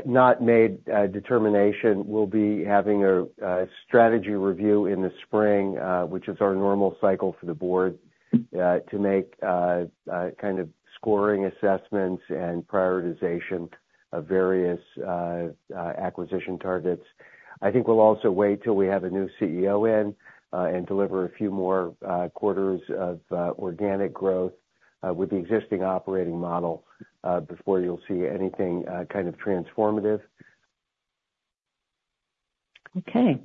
not made a determination. We'll be having a strategy review in the spring, which is our normal cycle for the board, to make kind of scoring assessments and prioritization of various acquisition targets. I think we'll also wait till we have a new CEO in, and deliver a few more quarters of organic growth with the existing operating model, before you'll see anything kind of transformative. Okay.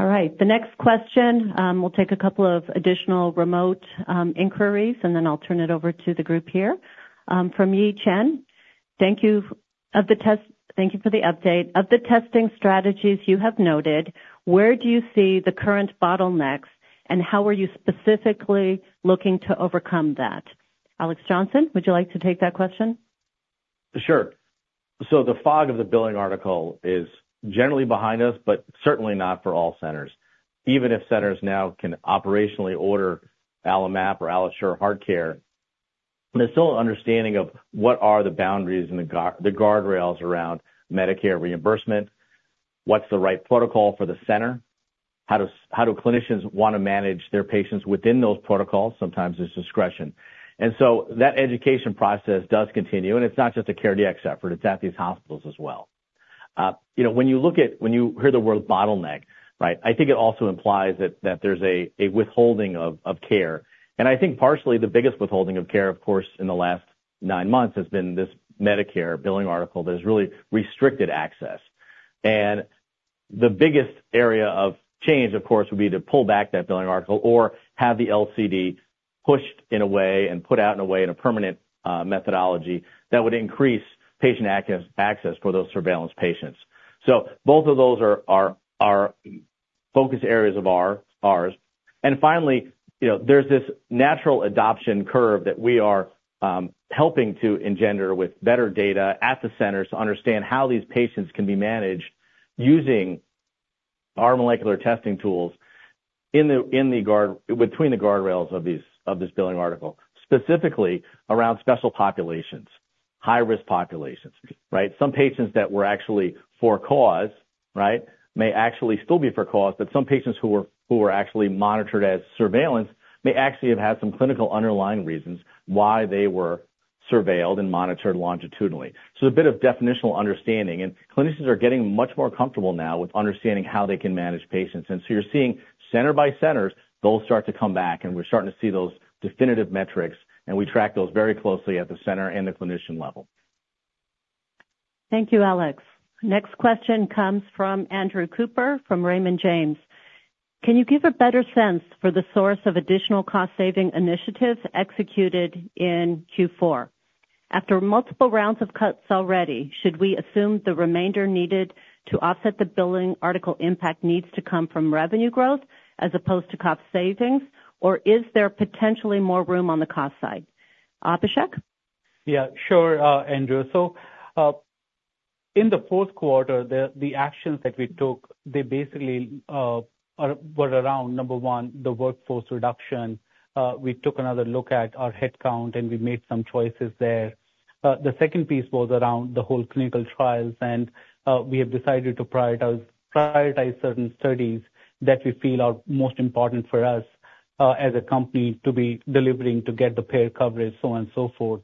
All right, the next question, we'll take a couple of additional remote inquiries, and then I'll turn it over to the group here. From Yi Chen: Thank you for the update. Of the testing strategies you have noted, where do you see the current bottlenecks, and how are you specifically looking to overcome that? Alex Johnson, would you like to take that question? Sure. So the fog of the billing article is generally behind us, but certainly not for all centers. Even if centers now can operationally order AlloMap or AlloSure HeartCare, there's still an understanding of what are the boundaries and the guardrails around Medicare reimbursement, what's the right protocol for the center, how do clinicians want to manage their patients within those protocols? Sometimes it's discretion. And so that education process does continue, and it's not just a CareDx effort, it's at these hospitals as well. You know, when you hear the word bottleneck, right, I think it also implies that there's a withholding of care. And I think partially the biggest withholding of care, of course, in the last nine months, has been this Medicare billing article that has really restricted access. The biggest area of change, of course, would be to pull back that billing article or have the LCD pushed in a way and put out in a way, in a permanent methodology that would increase patient access for those surveillance patients. So both of those are focus areas of ours. And finally, you know, there's this natural adoption curve that we are helping to engender with better data at the centers to understand how these patients can be managed using our molecular testing tools between the guardrails of this billing article, specifically around special populations, high-risk populations, right? Some patients that were actually for cause, right, may actually still be for cause, but some patients who were actually monitored as surveillance may actually have had some clinical underlying reasons why they were surveilled and monitored longitudinally. So a bit of definitional understanding, and clinicians are getting much more comfortable now with understanding how they can manage patients. And so you're seeing center by center, those start to come back, and we're starting to see those definitive metrics, and we track those very closely at the center and the clinician level. Thank you, Alex. Next question comes from Andrew Cooper, from Raymond James. Can you give a better sense for the source of additional cost-saving initiatives executed in Q4? After multiple rounds of cuts already, should we assume the remainder needed to offset the billing article impact needs to come from revenue growth as opposed to cost savings, or is there potentially more room on the cost side? Abhishek? Yeah, sure, Andrew. So, in the fourth quarter, the actions that we took, they basically were around, number one, the workforce reduction. We took another look at our headcount, and we made some choices there. The second piece was around the whole clinical trials, and we have decided to prioritize certain studies that we feel are most important for us, as a company to be delivering, to get the payer coverage, so on and so forth.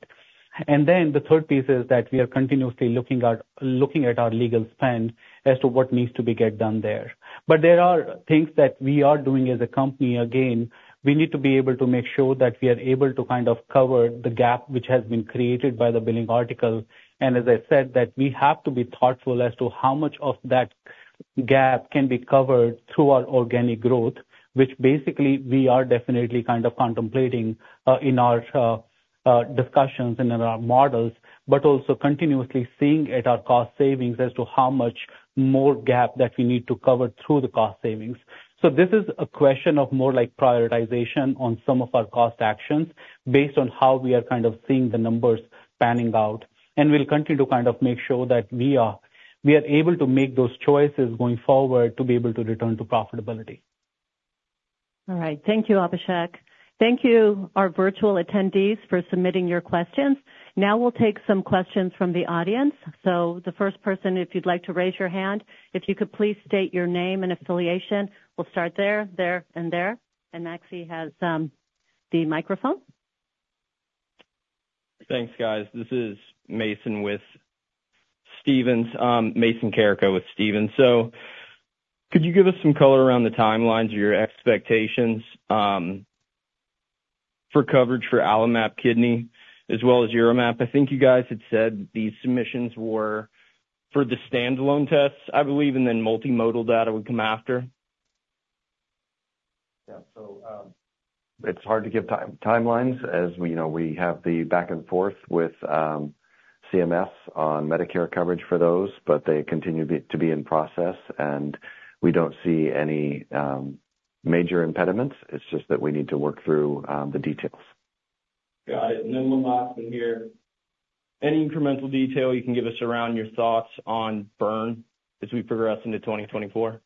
Then the third piece is that we are continuously looking at our legal spend as to what needs to get done there. But there are things that we are doing as a company. Again, we need to be able to make sure that we are able to kind of cover the gap which has been created by the billing article. As I said, that we have to be thoughtful as to how much of that gap can be covered through our organic growth, which basically we are definitely kind of contemplating in our discussions and in our models, but also continuously seeing at our cost savings as to how much more gap that we need to cover through the cost savings. So this is a question of more like prioritization on some of our cost actions based on how we are kind of seeing the numbers panning out, and we'll continue to kind of make sure that we are able to make those choices going forward to be able to return to profitability. All right. Thank you, Abhishek. Thank you, our virtual attendees, for submitting your questions. Now we'll take some questions from the audience. So the first person, if you'd like to raise your hand, if you could please state your name and affiliation. We'll start there, there, and there, and Maxi has the microphone. Thanks, guys. This is Mason with Stephens, Mason Carrico with Stephens. So could you give us some color around the timelines or your expectations for coverage for AlloMap Kidney as well as UroMap? I think you guys had said these submissions were for the standalone tests, I believe, and then multimodal data would come after. Yeah. So, it's hard to give timelines as we, you know, we have the back and forth with CMS on Medicare coverage for those, but they continue to be in process, and we don't see any major impediments. It's just that we need to work through the details. Got it. Then one last one here. Any incremental detail you can give us around your thoughts on burn as we progress into 2024?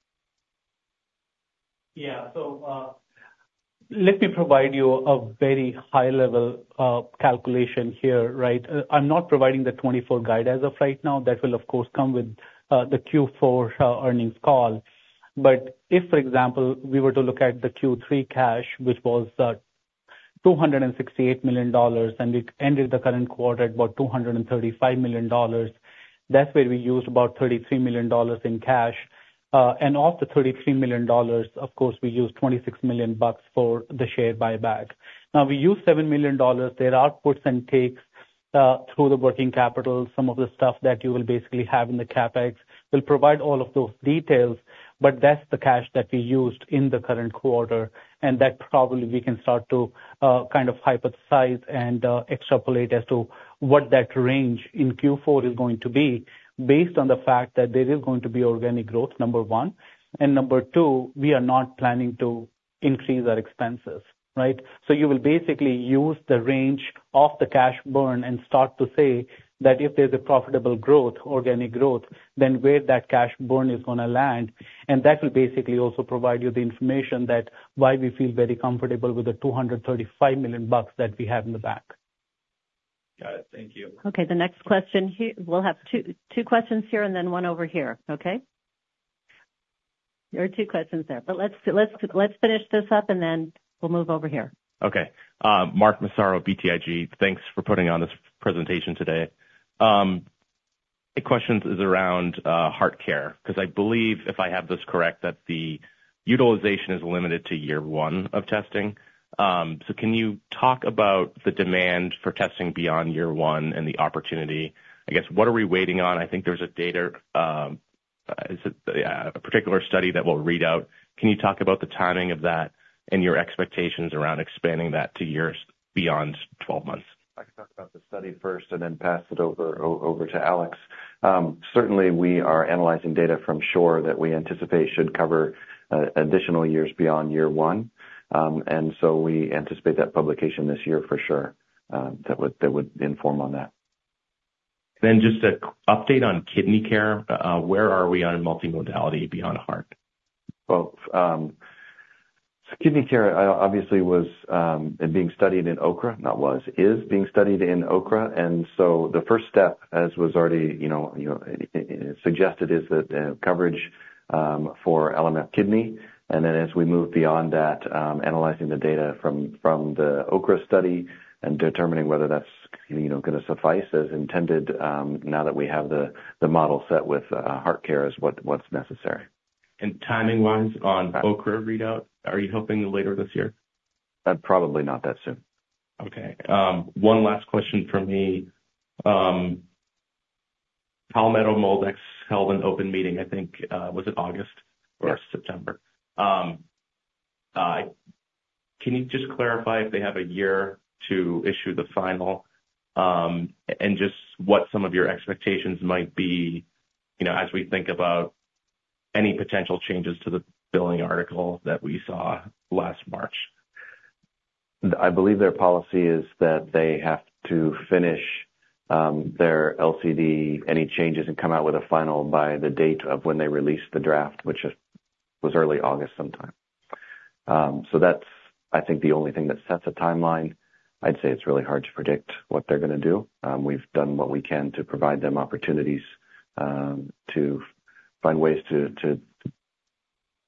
Yeah. So, let me provide you a very high level calculation here, right? I'm not providing the 2024 guide as of right now. That will, of course, come with the Q4 earnings call. But if, for example, we were to look at the Q3 cash, which was $268 million, and it ended the current quarter at about $235 million, that's where we used about $33 million in cash. And of the $33 million, of course, we used $26 million for the share buyback. Now we used $7 million. There are puts and takes through the working capital. Some of the stuff that you will basically have in the CapEx. We'll provide all of those details, but that's the cash that we used in the current quarter, and that probably we can start to kind of hypothesize and extrapolate as to what that range in Q4 is going to be based on the fact that there is going to be organic growth, number one, and number two, we are not planning to increase our expenses, right? So you will basically use the range of the cash burn and start to say that if there's a profitable growth, organic growth, then where that cash burn is going to land. And that will basically also provide you the information that why we feel very comfortable with the $235 million that we have in the bank. Got it. Thank you. Okay, the next question here. We'll have two questions here and then one over here, okay? There are two questions there, but let's finish this up, and then we'll move over here. Okay. Mark Massaro, BTIG, thanks for putting on this presentation today. My question is around heart care, because I believe, if I have this correct, that the utilization is limited to year one of testing. So can you talk about the demand for testing beyond year 1 and the opportunity? I guess, what are we waiting on? I think there's a data. Is it a particular study that will read out? Can you talk about the timing of that and your expectations around expanding that to years beyond 12 months? I can talk about the study first and then pass it over to Alex. Certainly, we are analyzing data from SHORE that we anticipate should cover additional years beyond year one. And so we anticipate that publication this year for sure, that would inform on that. Then just an update on KidneyCare. Where are we on multimodality beyond heart? Well, so KidneyCare obviously was being studied in OKRA, not was, is being studied in OKRA. So the first step, as was already, you know, suggested, is that coverage for AlloMap Kidney, and then as we move beyond that, analyzing the data from the OKRA study and determining whether that's, you know, going to suffice as intended, now that we have the model set with HeartCare is what's necessary. Timing-wise on OKRA readout, are you hoping later this year? Probably not that soon. Okay. One last question for me. Palmetto MolDX held an open meeting, I think, was it August. Yes. or September? Can you just clarify if they have a year to issue the final, and just what some of your expectations might be, you know, as we think about any potential changes to the billing article that we saw last March? I believe their policy is that they have to finish their LCD, any changes, and come out with a final by the date of when they released the draft, which was early August sometime. So that's, I think, the only thing that sets a timeline. I'd say it's really hard to predict what they're going to do. We've done what we can to provide them opportunities to find ways to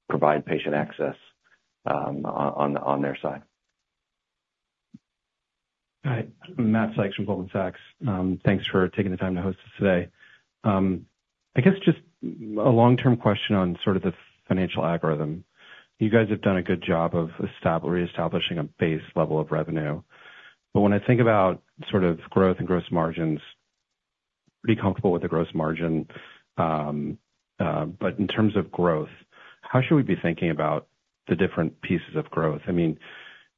provide patient access on their side. Hi, Matt Sykes from Goldman Sachs. Thanks for taking the time to host us today. I guess just a long-term question on sort of the financial algorithm. You guys have done a good job of reestablishing a base level of revenue. But when I think about sort of growth and gross margins, pretty comfortable with the gross margin. But in terms of growth, how should we be thinking about the different pieces of growth? I mean,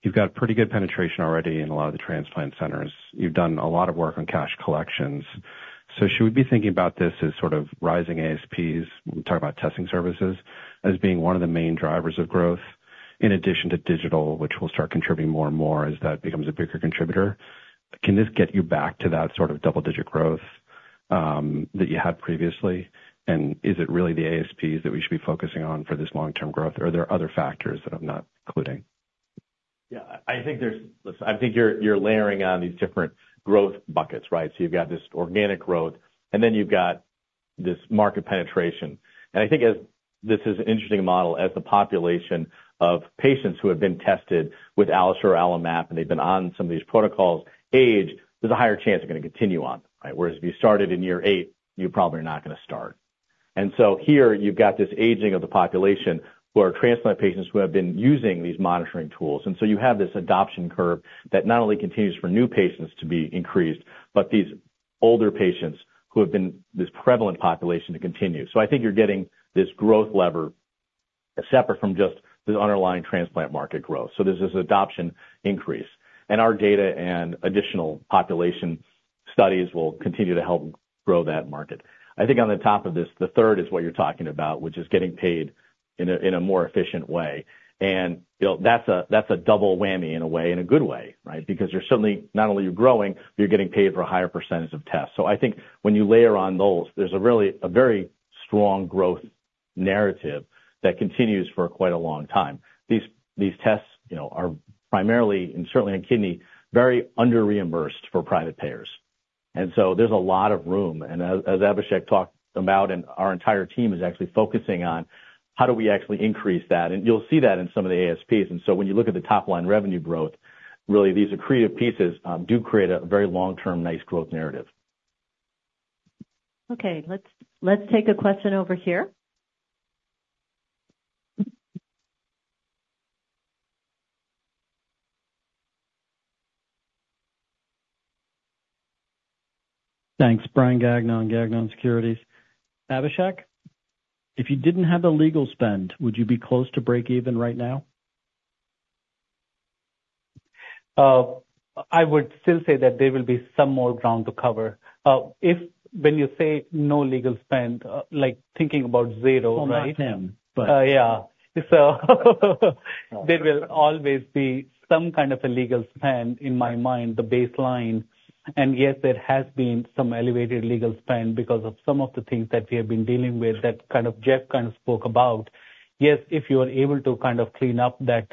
you've got pretty good penetration already in a lot of the transplant centers. You've done a lot of work on cash collections. So should we be thinking about this as sort of rising ASPs, talk about testing services, as being one of the main drivers of growth, in addition to digital, which will start contributing more and more as that becomes a bigger contributor? Can this get you back to that sort of double-digit growth, that you had previously? And is it really the ASPs that we should be focusing on for this long-term growth, or are there other factors that I'm not including? Yeah, I think there's, I think you're layering on these different growth buckets, right? So you've got this organic growth, and then you've got this market penetration. And I think as this is an interesting model, as the population of patients who have been tested with AlloSure or AlloMap, and they've been on some of these protocols, age, there's a higher chance they're going to continue on, right? Whereas if you started in year eight, you probably are not going to start. And so here you've got this aging of the population who are transplant patients who have been using these monitoring tools. And so you have this adoption curve that not only continues for new patients to be increased, but these older patients who have been this prevalent population to continue. So I think you're getting this growth lever separate from just the underlying transplant market growth. So there's this adoption increase, and our data and additional population studies will continue to help grow that market. I think on the top of this, the third is what you're talking about, which is getting paid in a, in a more efficient way. And, you know, that's a, that's a double whammy in a way, in a good way, right? Because you're suddenly, not only are you growing, but you're getting paid for a higher percentage of tests. So I think when you layer on those, there's a really, a very strong growth narrative that continues for quite a long time. These, these tests, you know, are primarily, and certainly in kidney, very under-reimbursed for private payers. And so there's a lot of room. And as, as Abhishek talked about, and our entire team is actually focusing on, how do we actually increase that? You'll see that in some of the ASPs. So when you look at the top-line revenue growth, really these accretive pieces do create a very long-term, nice growth narrative. Okay, let's, let's take a question over here. Thanks. Brian Gagnon, Gagnon Securities. Abhishek, if you didn't have the legal spend, would you be close to break even right now? I would still say that there will be some more ground to cover. If when you say no legal spend, like, thinking about zero, right? Well, not them, but. Yeah. So there will always be some kind of a legal spend, in my mind, the baseline. And yes, there has been some elevated legal spend because of some of the things that we have been dealing with, that kind of, Jeff kind of spoke about. Yes, if you are able to kind of clean up that,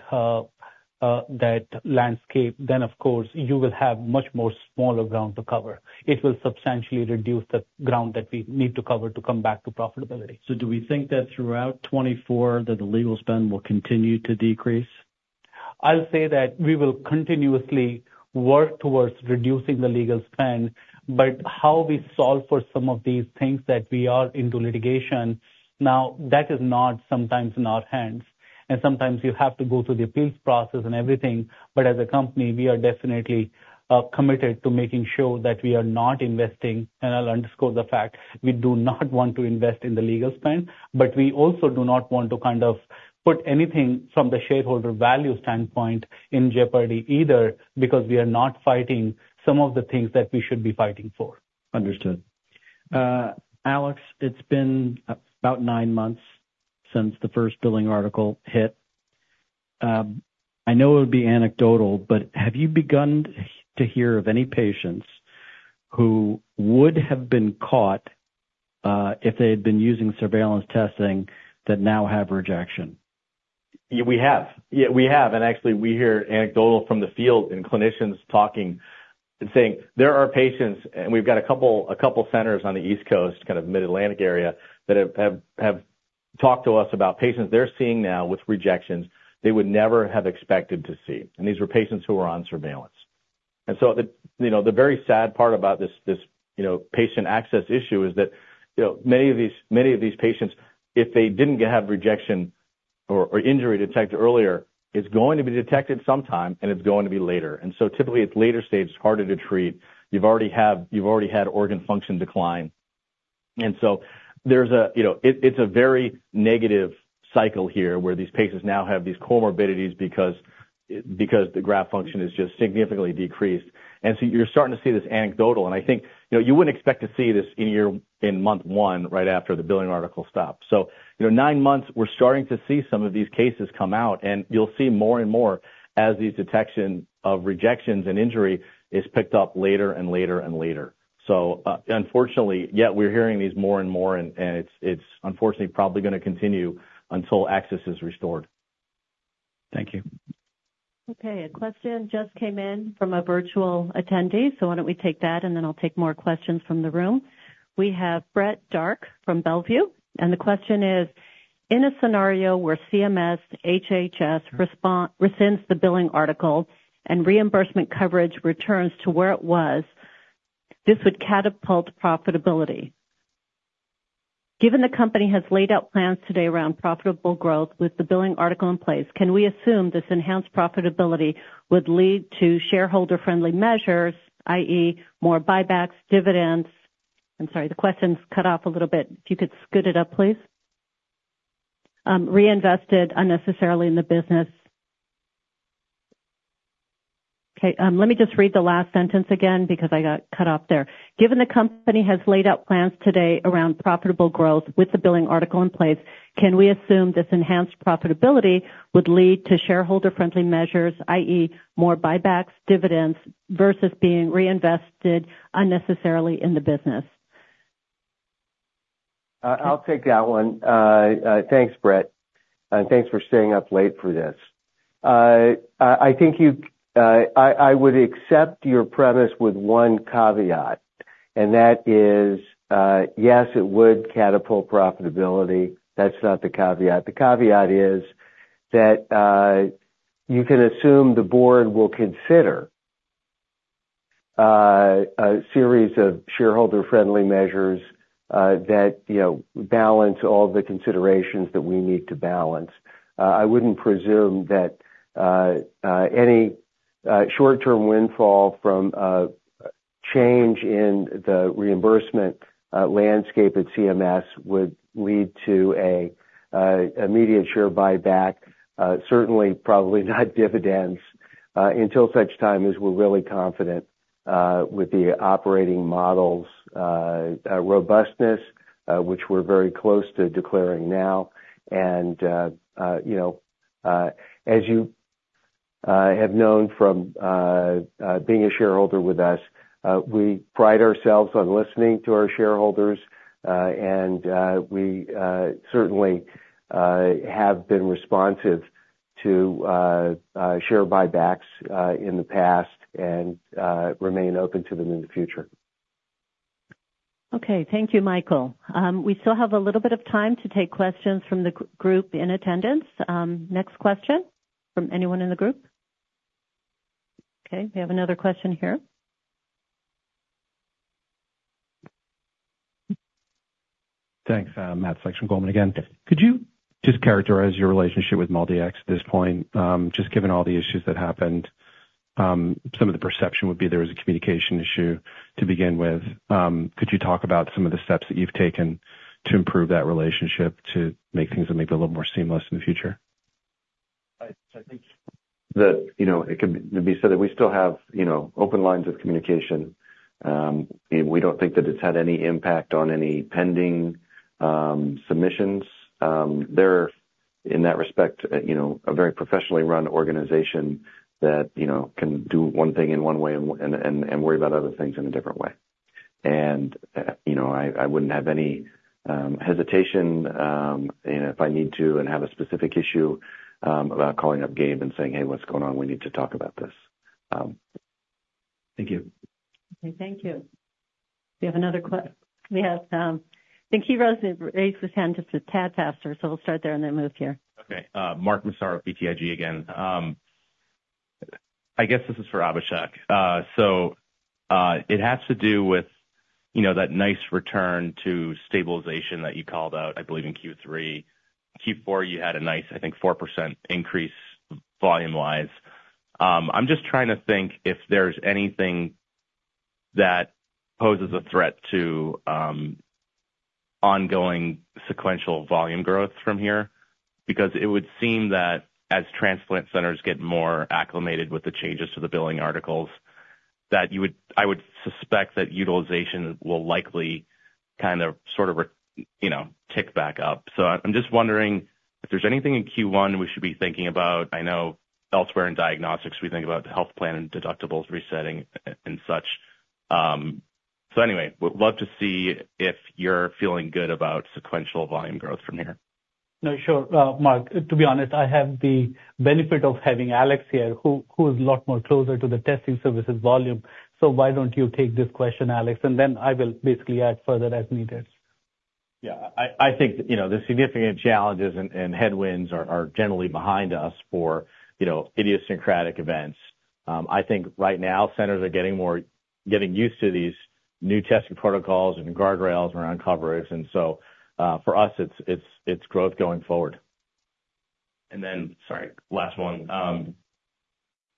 that landscape, then, of course, you will have much more smaller ground to cover. It will substantially reduce the ground that we need to cover to come back to profitability. Do we think that throughout 2024, that the legal spend will continue to decrease? I'll say that we will continuously work towards reducing the legal spend, but how we solve for some of these things that we are into litigation, now, that is not sometimes in our hands and sometimes you have to go through the appeals process and everything. But as a company, we are definitely committed to making sure that we are not investing, and I'll underscore the fact, we do not want to invest in the legal spend, but we also do not want to kind of put anything from the shareholder value standpoint in jeopardy either, because we are not fighting some of the things that we should be fighting for. Understood. Alex, it's been about nine months since the first billing article hit. I know it would be anecdotal, but have you begun to hear of any patients who would have been caught, if they had been using surveillance testing that now have rejection? Yeah, we have. Yeah, we have. And actually, we hear anecdotal from the field and clinicians talking and saying there are patients, and we've got a couple centers on the East Coast, kind of mid-Atlantic area, that have talked to us about patients they're seeing now with rejections they would never have expected to see, and these were patients who were on surveillance. And so the, you know, the very sad part about this, you know, patient access issue is that, you know, many of these patients, if they didn't have rejection or injury detected earlier, it's going to be detected sometime, and it's going to be later. And so typically, it's later stage, it's harder to treat. You've already had organ function decline. And so there's a, you know, it, it's a very negative cycle here, where these patients now have these comorbidities because, because the graft function is just significantly decreased. And so you're starting to see this anecdotal, and I think, you know, you wouldn't expect to see this in your- in month one right after the billing article stopped. So, you know, nine months, we're starting to see some of these cases come out, and you'll see more and more as these detection of rejections and injury is picked up later and later and later. So, unfortunately, yeah, we're hearing these more and more, and, and it's, it's unfortunately, probably going to continue until access is restored. Thank you. Okay, a question just came in from a virtual attendee, so why don't we take that, and then I'll take more questions from the room. We have Brett Dark from Bellevue, and the question is: In a scenario where CMS, HHS respond-- rescinds the billing article and reimbursement coverage returns to where it was, this would catapult profitability. Given the company has laid out plans today around profitable growth with the billing article in place, can we assume this enhanced profitability would lead to shareholder-friendly measures, i.e., more buybacks, dividends. I'm sorry, the question's cut off a little bit. If you could scoot it up, please. Reinvested unnecessarily in the business. Okay, let me just read the last sentence again because I got cut off there. Given the company has laid out plans today around profitable growth with the billing article in place, can we assume this enhanced profitability would lead to shareholder-friendly measures, i.e., more buybacks, dividends, versus being reinvested unnecessarily in the business? I'll take that one. Thanks, Brett, and thanks for staying up late for this. I think I would accept your premise with one caveat, and that is, yes, it would catapult profitability. That's not the caveat. The caveat is that you can assume the board will consider a series of shareholder-friendly measures that you know balance all the considerations that we need to balance. I wouldn't presume that any short-term windfall from change in the reimbursement landscape at CMS would lead to an immediate share buyback. Certainly, probably not dividends, until such time as we're really confident with the operating models' robustness, which we're very close to declaring now. You know, as you have known from being a shareholder with us, we pride ourselves on listening to our shareholders, and we certainly have been responsive to share buybacks in the past and remain open to them in the future. Okay. Thank you, Michael. We still have a little bit of time to take questions from the group in attendance. Next question from anyone in the group? Okay, we have another question here. Thanks. Matt Sykes from Goldman again. Could you just characterize your relationship with MolDX at this point? Just given all the issues that happened, some of the perception would be there was a communication issue to begin with. Could you talk about some of the steps that you've taken to improve that relationship to make things maybe a little more seamless in the future? I think that, you know, it can be said that we still have, you know, open lines of communication. We don't think that it's had any impact on any pending submissions. They're, in that respect, you know, a very professionally run organization that, you know, can do one thing in one way and worry about other things in a different way. And, you know, I wouldn't have any hesitation, you know, if I need to and have a specific issue, about calling up Gabe and saying, "Hey, what's going on? We need to talk about this. Thank you. Okay, thank you. Do we have another? We have, I think Ross raised his hand just a tad faster, so we'll start there and then move here. Okay. Mark Massaro, BTIG again. I guess this is for Abhishek. So, it has to do with, you know, that nice return to stabilization that you called out, I believe, in Q3. Q4, you had a nice, I think, 4% increase volume-wise. I'm just trying to think if there's anything that poses a threat to, ongoing sequential volume growth from here. Because it would seem that as transplant centers get more acclimated with the changes to the billing articles, that you would suspect that utilization will likely kind of, sort of, you know, tick back up. So I'm just wondering if there's anything in Q1 we should be thinking about. I know elsewhere in diagnostics, we think about the health plan and deductibles resetting and such. So anyway, would love to see if you're feeling good about sequential volume growth from here? No, sure. Mark, to be honest, I have the benefit of having Alex here, who, who is a lot more closer to the testing services volume. So why don't you take this question, Alex, and then I will basically add further as needed. Yeah, I think, you know, the significant challenges and headwinds are generally behind us for, you know, idiosyncratic events. I think right now, centers are getting used to these new testing protocols and guardrails around coverage, and so, for us, it's growth going forward. Then, sorry, last one.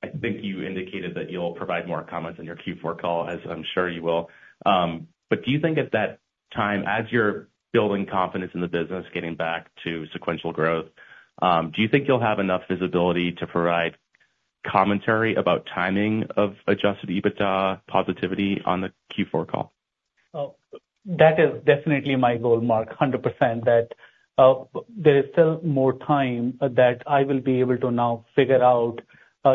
I think you indicated that you'll provide more comments in your Q4 call, as I'm sure you will. But do you think at that time, as you're building confidence in the business, getting back to sequential growth, do you think you'll have enough visibility to provide commentary about timing of adjusted EBITDA positivity on the Q4 call? Oh, that is definitely my goal, Mark, 100%, that there is still more time that I will be able to now figure out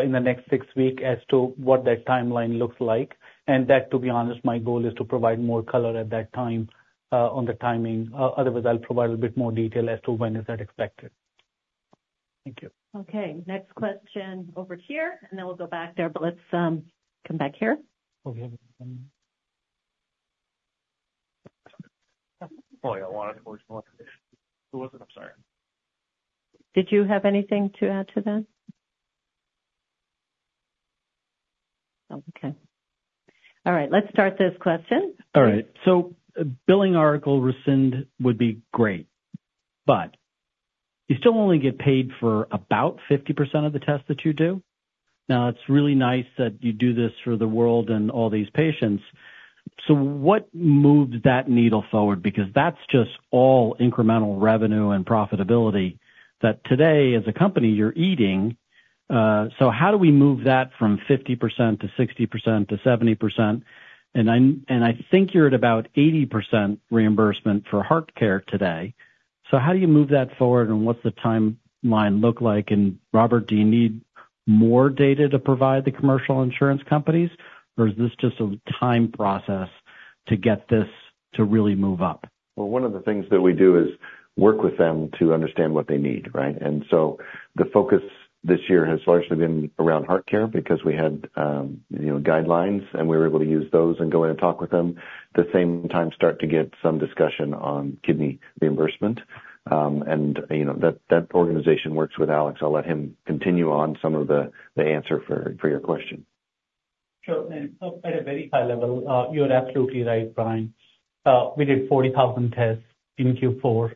in the next six weeks as to what that timeline looks like, and that, to be honest, my goal is to provide more color at that time on the timing. Otherwise, I'll provide a bit more detail as to when that is expected. Thank you. Okay, next question over here, and then we'll go back there, but let's come back here. Okay. Boy, a lot of questions. Who was it? I'm sorry. Did you have anything to add to that? Okay. All right, let's start this question. All right, so billing article rescind would be great, but you still only get paid for about 50% of the tests that you do. Now, it's really nice that you do this for the world and all these patients. So what moves that needle forward? Because that's just all incremental revenue and profitability that today, as a company, you're eating. So how do we move that from 50% to 60% to 70%? And I think you're at about 80% reimbursement for heart care today. So how do you move that forward, and what's the timeline look like? And Robert, do you need more data to provide the commercial insurance companies, or is this just a time process to get this to really move up? Well, one of the things that we do is work with them to understand what they need, right? And so the focus this year has largely been around heart care because we had, you know, guidelines, and we were able to use those and go in and talk with them. The same time, start to get some discussion on kidney reimbursement. And, you know, that organization works with Alex. I'll let him continue on some of the answer for your question. Sure. At a very high level, you're absolutely right, Brian. We did 40,000 tests in Q4.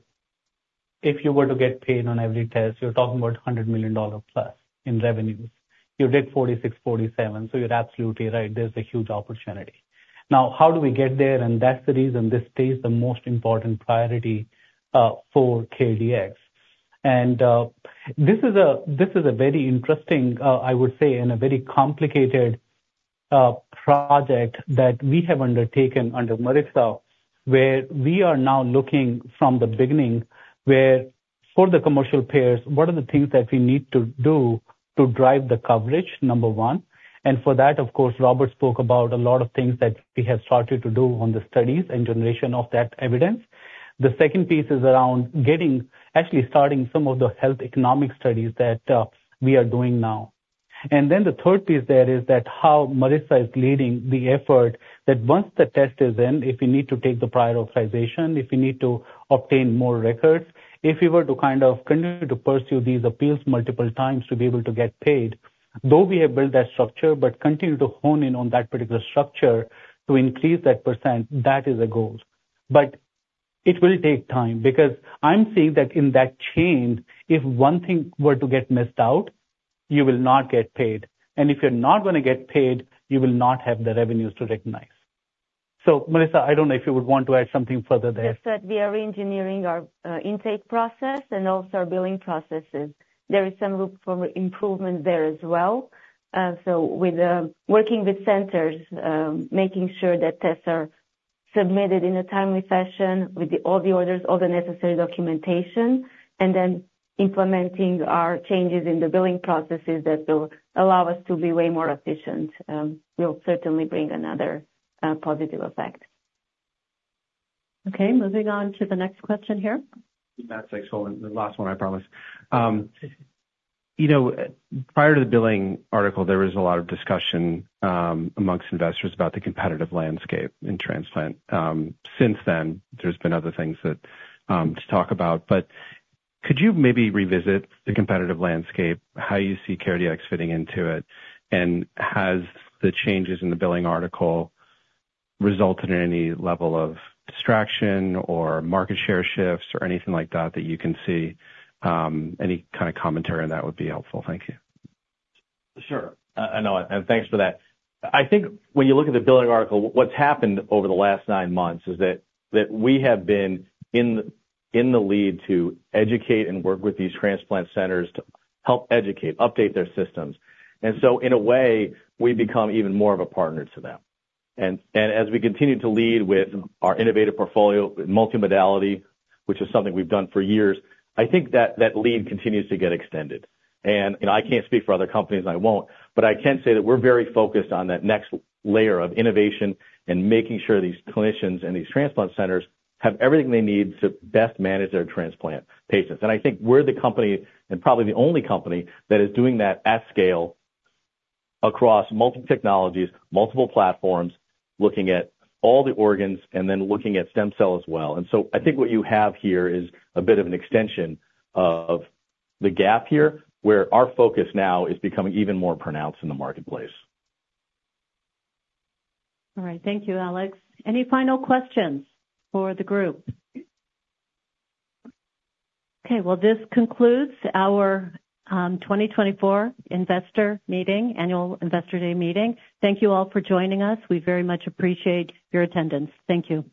If you were to get paid on every test, you're talking about $100 million plus in revenues. You did 46, 47, so you're absolutely right, there's a huge opportunity. Now, how do we get there? That's the reason this stays the most important priority for CareDx. This is a very interesting, I would say, and a very complicated project that we have undertaken under Marica, where we are now looking from the beginning, where for the commercial payers, what are the things that we need to do to drive the coverage, number one. For that, of course, Robert spoke about a lot of things that we have started to do on the studies and generation of that evidence. The second piece is around getting actually starting some of the health economic studies that we are doing now. Then the third piece there is that how Marica is leading the effort, that once the test is in, if you need to take the prior authorization, if you need to obtain more records, if you were to kind of continue to pursue these appeals multiple times to be able to get paid, though we have built that structure, but continue to hone in on that particular structure to increase that percent, that is a goal. But it will take time, because I'm seeing that in that chain, if one thing were to get missed out, you will not get paid. And if you're not going to get paid, you will not have the revenues to recognize. Marica, I don't know if you would want to add something further there. We said we are reengineering our intake process and also our billing processes. There is some room for improvement there as well. So, working with centers, making sure that tests are submitted in a timely fashion with all the orders, all the necessary documentation, and then implementing our changes in the billing processes that will allow us to be way more efficient, will certainly bring another positive effect. Okay, moving on to the next question here. Matt, thanks. Hold on. The last one, I promise. You know, prior to the billing article, there was a lot of discussion among investors about the competitive landscape in transplant. Since then, there's been other things that to talk about, but could you maybe revisit the competitive landscape, how you see CareDx fitting into it, and has the changes in the billing article resulted in any level of distraction or market share shifts or anything like that, that you can see? Any kind of commentary on that would be helpful. Thank you. Sure, no, and thanks for that. I think when you look at the billing article, what's happened over the last nine months is that we have been in the lead to educate and work with these transplant centers to help educate, update their systems. And as we continue to lead with our innovative portfolio, multimodality, which is something we've done for years, I think that lead continues to get extended. And, you know, I can't speak for other companies, and I won't, but I can say that we're very focused on that next layer of innovation and making sure these clinicians and these transplant centers have everything they need to best manage their transplant patients. I think we're the company, and probably the only company, that is doing that at scale across multiple technologies, multiple platforms, looking at all the organs and then looking at stem cell as well. So I think what you have here is a bit of an extension of the gap here, where our focus now is becoming even more pronounced in the marketplace. All right. Thank you, Alex. Any final questions for the group? Okay, well, this concludes our 2024 investor meeting, annual investor day meeting. Thank you all for joining us. We very much appreciate your attendance. Thank you.